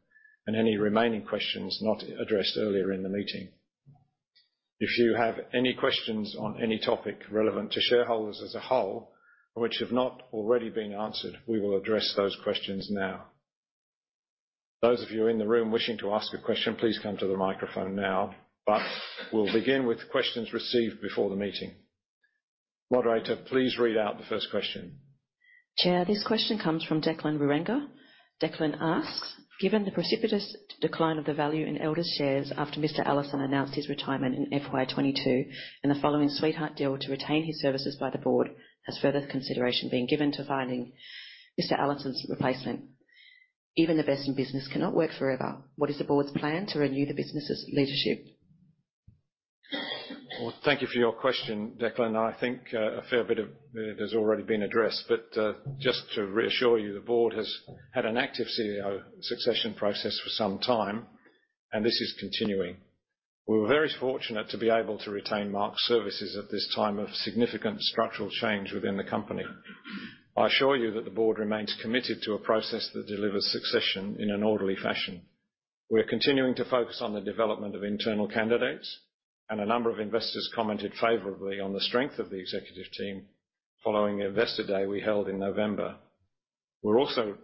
and any remaining questions not addressed earlier in the meeting. If you have any questions on any topic relevant to shareholders as a whole, which have not already been answered, we will address those questions now. Those of you in the room wishing to ask a question, please come to the microphone now, but we'll begin with questions received before the meeting. Moderator, please read out the first question. Chair, this question comes from Declan Wirenga. Declan asks: Given the precipitous decline of the value in Elders shares after Mr. Allison announced his retirement in FY 22, and the following sweetheart deal to retain his services by the board, has further consideration being given to finding Mr. Allison's replacement? Even the best in business cannot work forever. What is the board's plan to renew the business's leadership? Well, thank you for your question, Declan. I think, a fair bit of it has already been addressed, but, just to reassure you, the board has had an active CEO succession process for some time, and this is continuing. We were very fortunate to be able to retain Mark's services at this time of significant structural change within the company. I assure you that the board remains committed to a process that delivers succession in an orderly fashion. We're continuing to focus on the development of internal candidates, and a number of investors commented favorably on the strength of the executive team following the Investor Day we held in November. We're also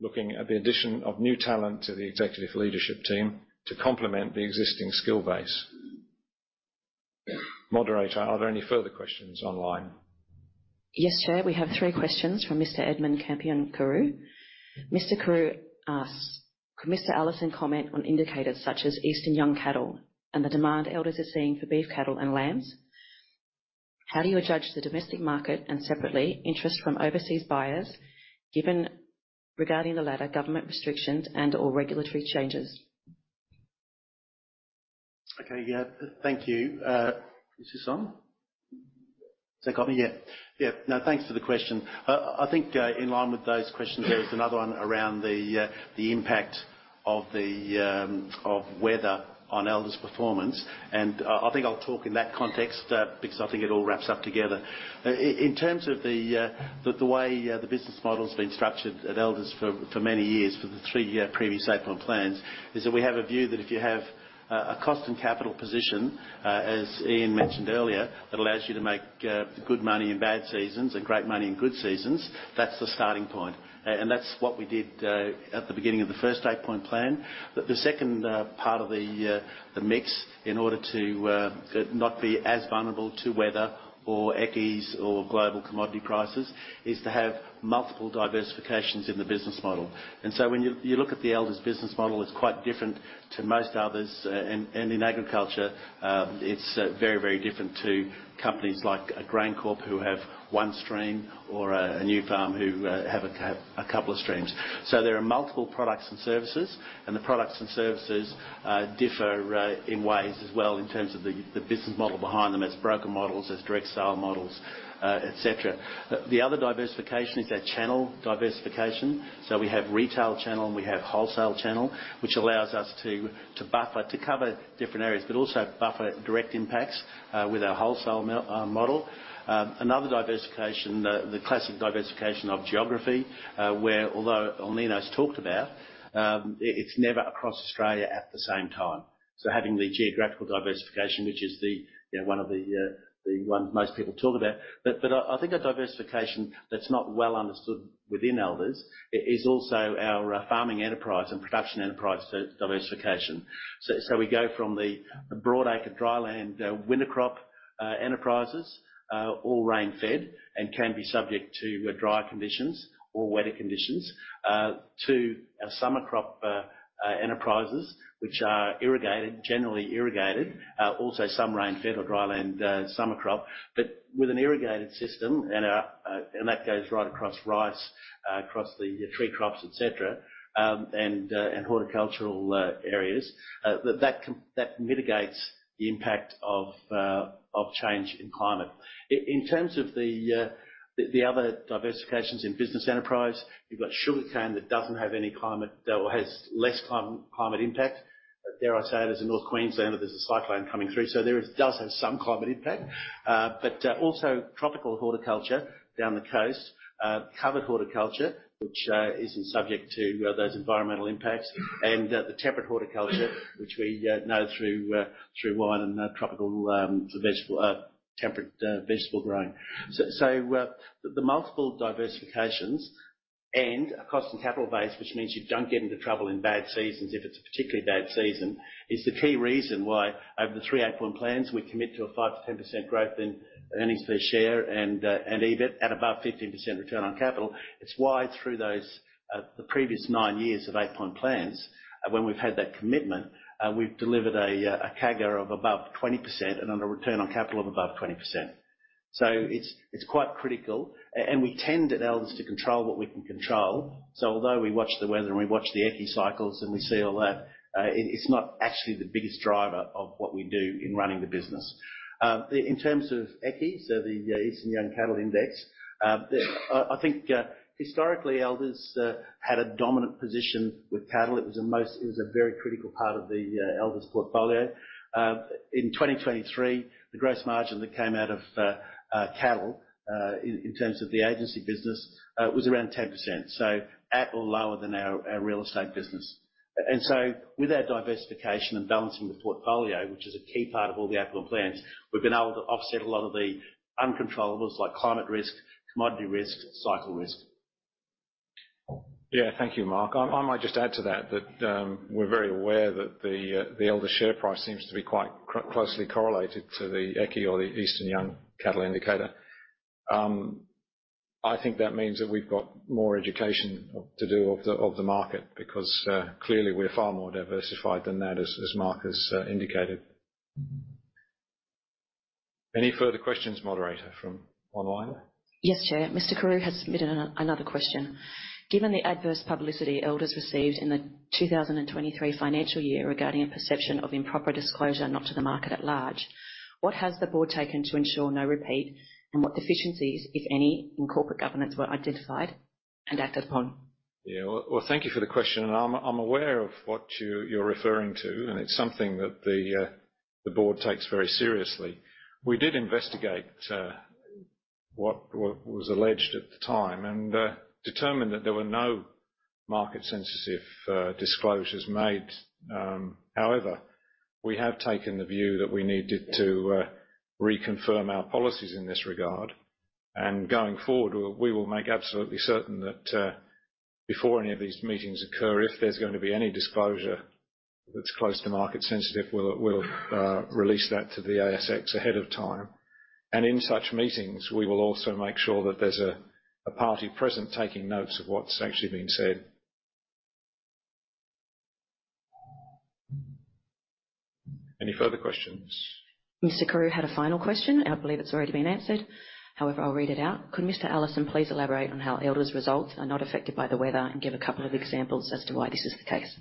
looking at the addition of new talent to the executive leadership team to complement the existing skill base. Moderator, are there any further questions online? Yes, Chair. We have three questions from Mr. Edmund Campion Carew. Mr. Carew asks, "Could Mr. Allison comment on indicators such as Eastern Young Cattle and the demand Elders are seeing for beef cattle and lambs? How do you judge the domestic market, and separately, interest from overseas buyers, given regarding the latter, government restrictions and/or regulatory changes? Okay, yeah. Thank you. Is this on? Does that got me? Yeah. Yeah. No, thanks for the question. I think, in line with those questions, there is another one around the, the impact of the, of weather on Elders' performance. And, I, I think I'll talk in that context, because I think it all wraps up together. In, in terms of the, the, the way, the business model has been structured at Elders for, for many years, for the three-year previous Eight-Point Plans, is that we have a view that if you have, a cost and capital position, as Ian mentioned earlier, that allows you to make, good money in bad seasons and great money in good seasons, that's the starting point. And that's what we did, at the beginning of the first Eight-Point Plan. But the second part of the mix, in order to not be as vulnerable to weather or equities or global commodity prices, is to have multiple diversifications in the business model. And so when you look at the Elders business model, it's quite different to most others, and in agriculture, it's very, very different to companies like GrainCorp, who have one stream, or Nufarm, who have a couple of streams. So there are multiple products and services, and the products and services differ in ways as well in terms of the business model behind them, as broker models, as direct style models, et cetera. The other diversification is our channel diversification. So we have retail channel, and we have wholesale channel, which allows us to, to buffer, to cover different areas, but also buffer direct impacts, with our wholesale model. Another diversification, the classic diversification of geography, where although El Niño is talked about, it's never across Australia at the same time. So having the geographical diversification, which is the, you know, one of the, the one most people talk about. But I think a diversification that's not well understood within Elders is also our, farming enterprise and production enterprise diversification. So, so we go from the broad acre dry land, winter crop, enterprises, all rain-fed and can be subject to, dry conditions or wetter conditions, to our summer crop, enterprises, which are irrigated, generally irrigated, also some rain-fed or dry land, summer crop, but with an irrigated system and, and that goes right across rice, across the tree crops, et cetera, and, and horticultural, areas, that, that can, that mitigates the impact of, of change in climate. In terms of the, the, the other diversifications in business enterprise, you've got sugarcane that doesn't have any climate or has less climate impact. Dare I say it, as in North Queensland, there's a cyclone coming through, so there is, does have some climate impact. But also tropical horticulture down the coast, covered horticulture, which isn't subject to those environmental impacts, and the temperate horticulture, which we know through wine and tropical vegetable temperate vegetable growing. The multiple diversifications and a cost and capital base, which means you don't get into trouble in bad seasons if it's a particularly bad season, is the key reason why over the three Eight-Point Plans, we commit to a 5%-10% growth in earnings per share and EBIT at above 15% return on capital. It's why through those, the previous nine years of Eight-Point Plans, when we've had that commitment, we've delivered a CAGR of above 20% and on a return on capital of above 20%. So it's quite critical, and we tend at Elders to control what we can control. So although we watch the weather and we watch the EYCI cycles and we see all that, it's not actually the biggest driver of what we do in running the business. In terms of EYCI, so the Eastern Young Cattle Index, I think, historically, Elders had a dominant position with cattle. It was the most, it was a very critical part of the Elders portfolio. In 2023, the gross margin that came out of cattle, in terms of the agency business, was around 10%, so at or lower than our real estate business. With our diversification and balancing the portfolio, which is a key part of all the Eight-Point Plans, we've been able to offset a lot of the uncontrollables like climate risk, commodity risk, cycle risk. Yeah, thank you, Mark. I might just add to that. We're very aware that the Elders share price seems to be quite closely correlated to the EYCI or the Eastern Young Cattle Indicator. I think that means that we've got more education to do of the market, because clearly, we're far more diversified than that, as Mark has indicated. Any further questions, moderator, from online? Yes, Chair. Mr. Carew has submitted another question. Given the adverse publicity Elders received in the 2023 financial year regarding a perception of improper disclosure, not to the market at large, what has the board taken to ensure no repeat, and what deficiencies, if any, in corporate governance were identified and acted upon? Yeah. Well, thank you for the question, and I'm aware of what you're referring to, and it's something that the board takes very seriously. We did investigate what was alleged at the time and determined that there were no market-sensitive disclosures made. However, we have taken the view that we needed to reconfirm our policies in this regard, and going forward, we will make absolutely certain that before any of these meetings occur, if there's going to be any disclosure that's close to market sensitive, we'll release that to the ASX ahead of time. And in such meetings, we will also make sure that there's a party present, taking notes of what's actually being said. Any further questions? Mr. Carew had a final question. I believe it's already been answered. However, I'll read it out: Could Mr. Allison please elaborate on how Elders results are not affected by the weather and give a couple of examples as to why this is the case?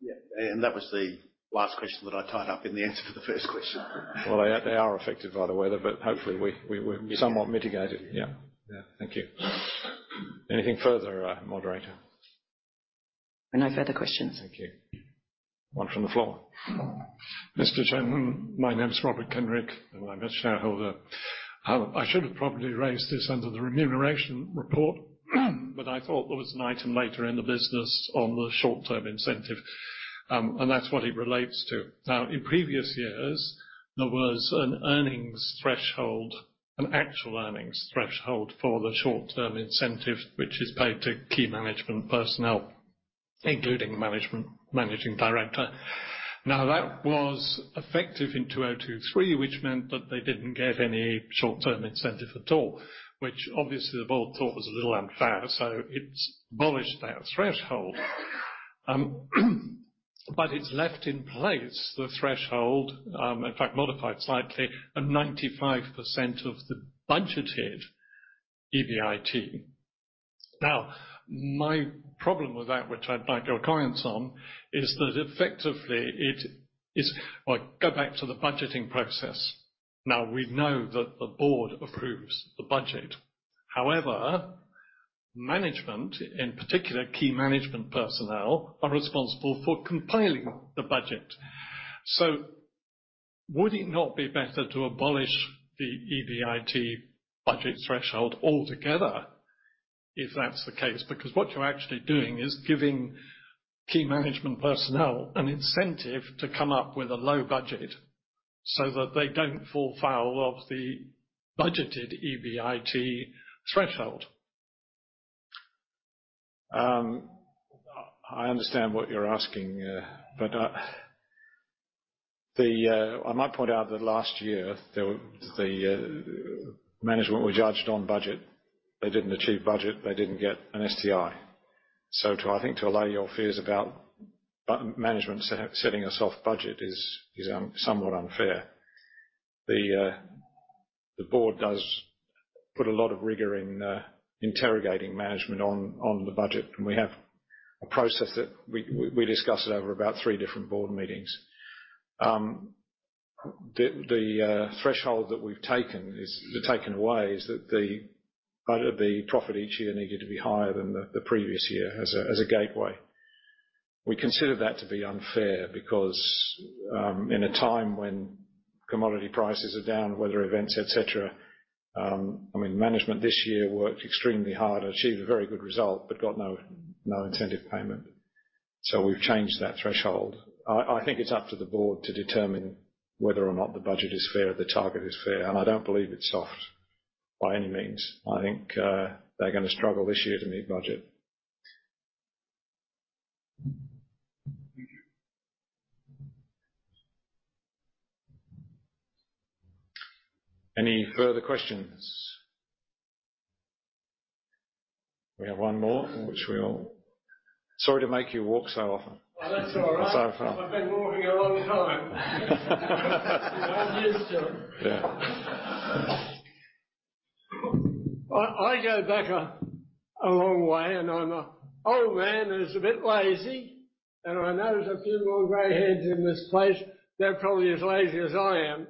Yeah, and that was the last question that I tied up in the answer for the first question. Well, they are affected by the weather, but hopefully we somewhat mitigated it. Yeah. Yeah. Thank you. Anything further, moderator? No further questions. Thank you. One from the floor. Mr. Chairman, my name is Robert Kendrick, and I'm a shareholder. I should have probably raised this under the remuneration report, but I thought there was an item later in the business on the short-term incentive, and that's what it relates to. Now, in previous years, there was an earnings threshold, an actual earnings threshold for the short-term incentive, which is paid to key management personnel, including management, Managing Director. Now, that was effective in 2023, which meant that they didn't get any short-term incentive at all, which obviously the board thought was a little unfair, so it's abolished that threshold. But it's left in place the threshold, in fact, modified slightly, and 95% of the budgeted EBIT. Now, my problem with that, which I'd like your comments on, is that effectively it is... Well, go back to the budgeting process. Now, we know that the board approves the budget. However, management, in particular, key management personnel, are responsible for compiling the budget. So would it not be better to abolish the EBIT budget threshold altogether if that's the case? Because what you're actually doing is giving key management personnel an incentive to come up with a low budget so that they don't fall foul of the budgeted EBIT threshold. I understand what you're asking, but I might point out that last year, the management were judged on budget. They didn't achieve budget, they didn't get an STI. So, I think to allay your fears about management setting a soft budget is somewhat unfair. The board does put a lot of rigor in interrogating management on the budget, and we have a process that we discuss it over about three different board meetings. The threshold that we've taken away is that the profit each year needed to be higher than the previous year as a gateway. We consider that to be unfair because, in a time when commodity prices are down, weather events, et cetera, I mean, management this year worked extremely hard to achieve a very good result, but got no, no incentive payment. So we've changed that threshold. I think it's up to the board to determine whether or not the budget is fair, the target is fair, and I don't believe it's soft by any means. I think, they're gonna struggle this year to meet budget. Thank you. Any further questions? We have one more, which we all... Sorry to make you walk so often. Well, that's all right. So far. I've been walking a long time. I'm used to it. Yeah. I go back a long way, and I'm an old man, and it's a bit lazy. And I notice a few more gray heads in this place; they're probably as lazy as I am.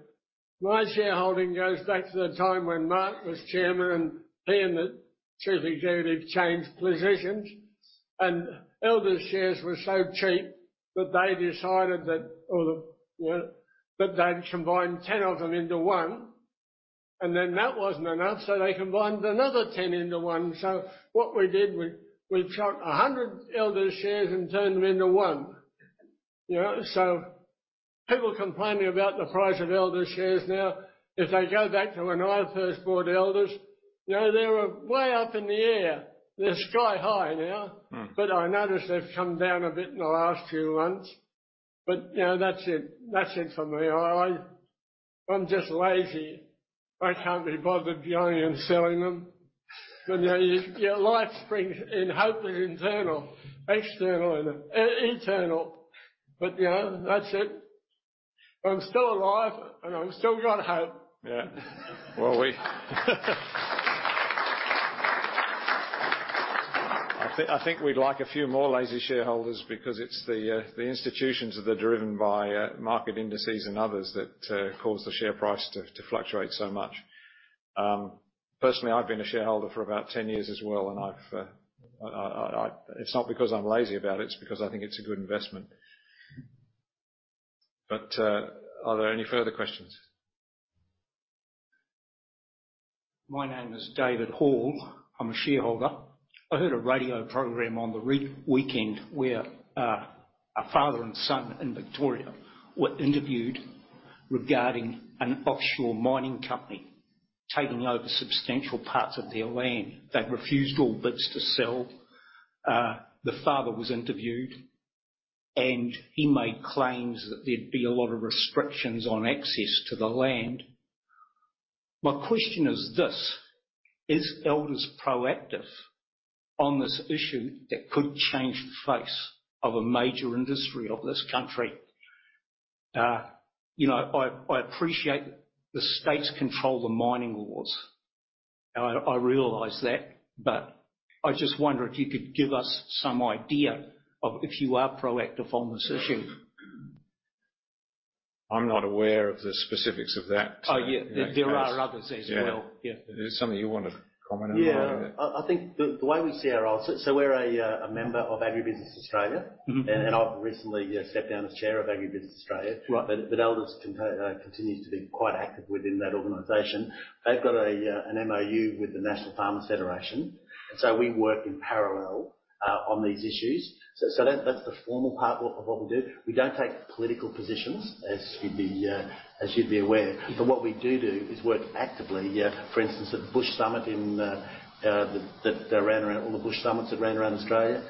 My shareholding goes back to the time when Mark was chairman, and he and the chief executive changed positions, and Elders shares were so cheap that they decided that, or well, that they'd combine 10 of them into one, and then that wasn't enough, so they combined another 10 into one. So what we did, we've chopped 100 Elders shares and turned them into one. You know, so people complaining about the price of Elders shares now, if they go back to when I first bought Elders, you know, they were way up in the air. They're sky high now. Mm. But I notice they've come down a bit in the last few months. But, you know, that's it. That's it for me. I'm just lazy. I can't be bothered buying and selling them. You know, your life springs in hope and internal, external and in-internal. But, you know, that's it. But I'm still alive, and I've still got hope. Yeah. Well, we... I think we'd like a few more lazy shareholders because it's the, the institutions that are driven by, market indices and others that, cause the share price to fluctuate so much. Personally, I've been a shareholder for about 10 years as well, and I've... It's not because I'm lazy about it, it's because I think it's a good investment. But, are there any further questions? My name is David Hall. I'm a shareholder. I heard a radio program on the weekend where a father and son in Victoria were interviewed regarding an offshore mining company taking over substantial parts of their land. They've refused all bids to sell. The father was interviewed, and he made claims that there'd be a lot of restrictions on access to the land. My question is this: Is Elders proactive on this issue that could change the face of a major industry of this country? You know, I appreciate the states control the mining laws. I realize that, but I just wonder if you could give us some idea of if you are proactive on this issue. I'm not aware of the specifics of that. Oh, yeah. In that case. There are others as well. Yeah. Yeah. Is there something you want to comment on? Yeah. I think the way we see our role... So, we're a member of Agribusiness Australia. Mm-hmm. I've recently stepped down as chair of Agribusiness Australia. Right. But Elders continues to be quite active within that organization. They've got an MOU with the National Farmers' Federation, so we work in parallel on these issues. So that that's the formal part of what we do. We don't take political positions, as you'd be aware. But what we do do is work actively for instance at the Bush Summit in the around all the Bush Summits that ran around Australia.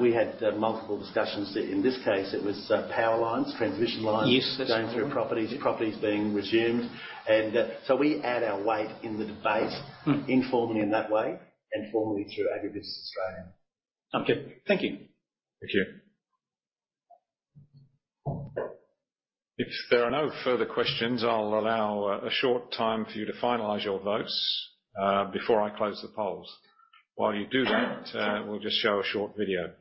We had multiple discussions. In this case, it was power lines, transmission lines- Yes. -going through properties, properties being resumed. And, so we add our weight in the debate- Mm. - informally in that way and formally through Agribusiness Australia. Okay. Thank you. Thank you. If there are no further questions, I'll allow a short time for you to finalize your votes, before I close the polls. While you do that, we'll just show a short video.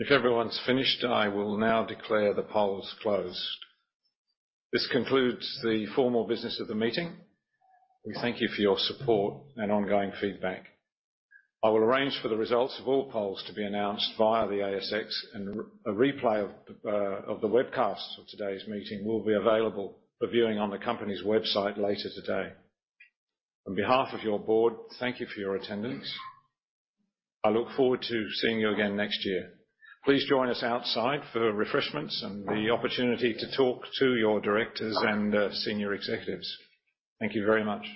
If everyone's finished, I will now declare the polls closed. This concludes the formal business of the meeting. We thank you for your support and ongoing feedback. I will arrange for the results of all polls to be announced via the ASX, and a replay of the webcast of today's meeting will be available for viewing on the company's website later today. On behalf of your board, thank you for your attendance. I look forward to seeing you again next year. Please join us outside for refreshments and the opportunity to talk to your directors and senior executives. Thank you very much.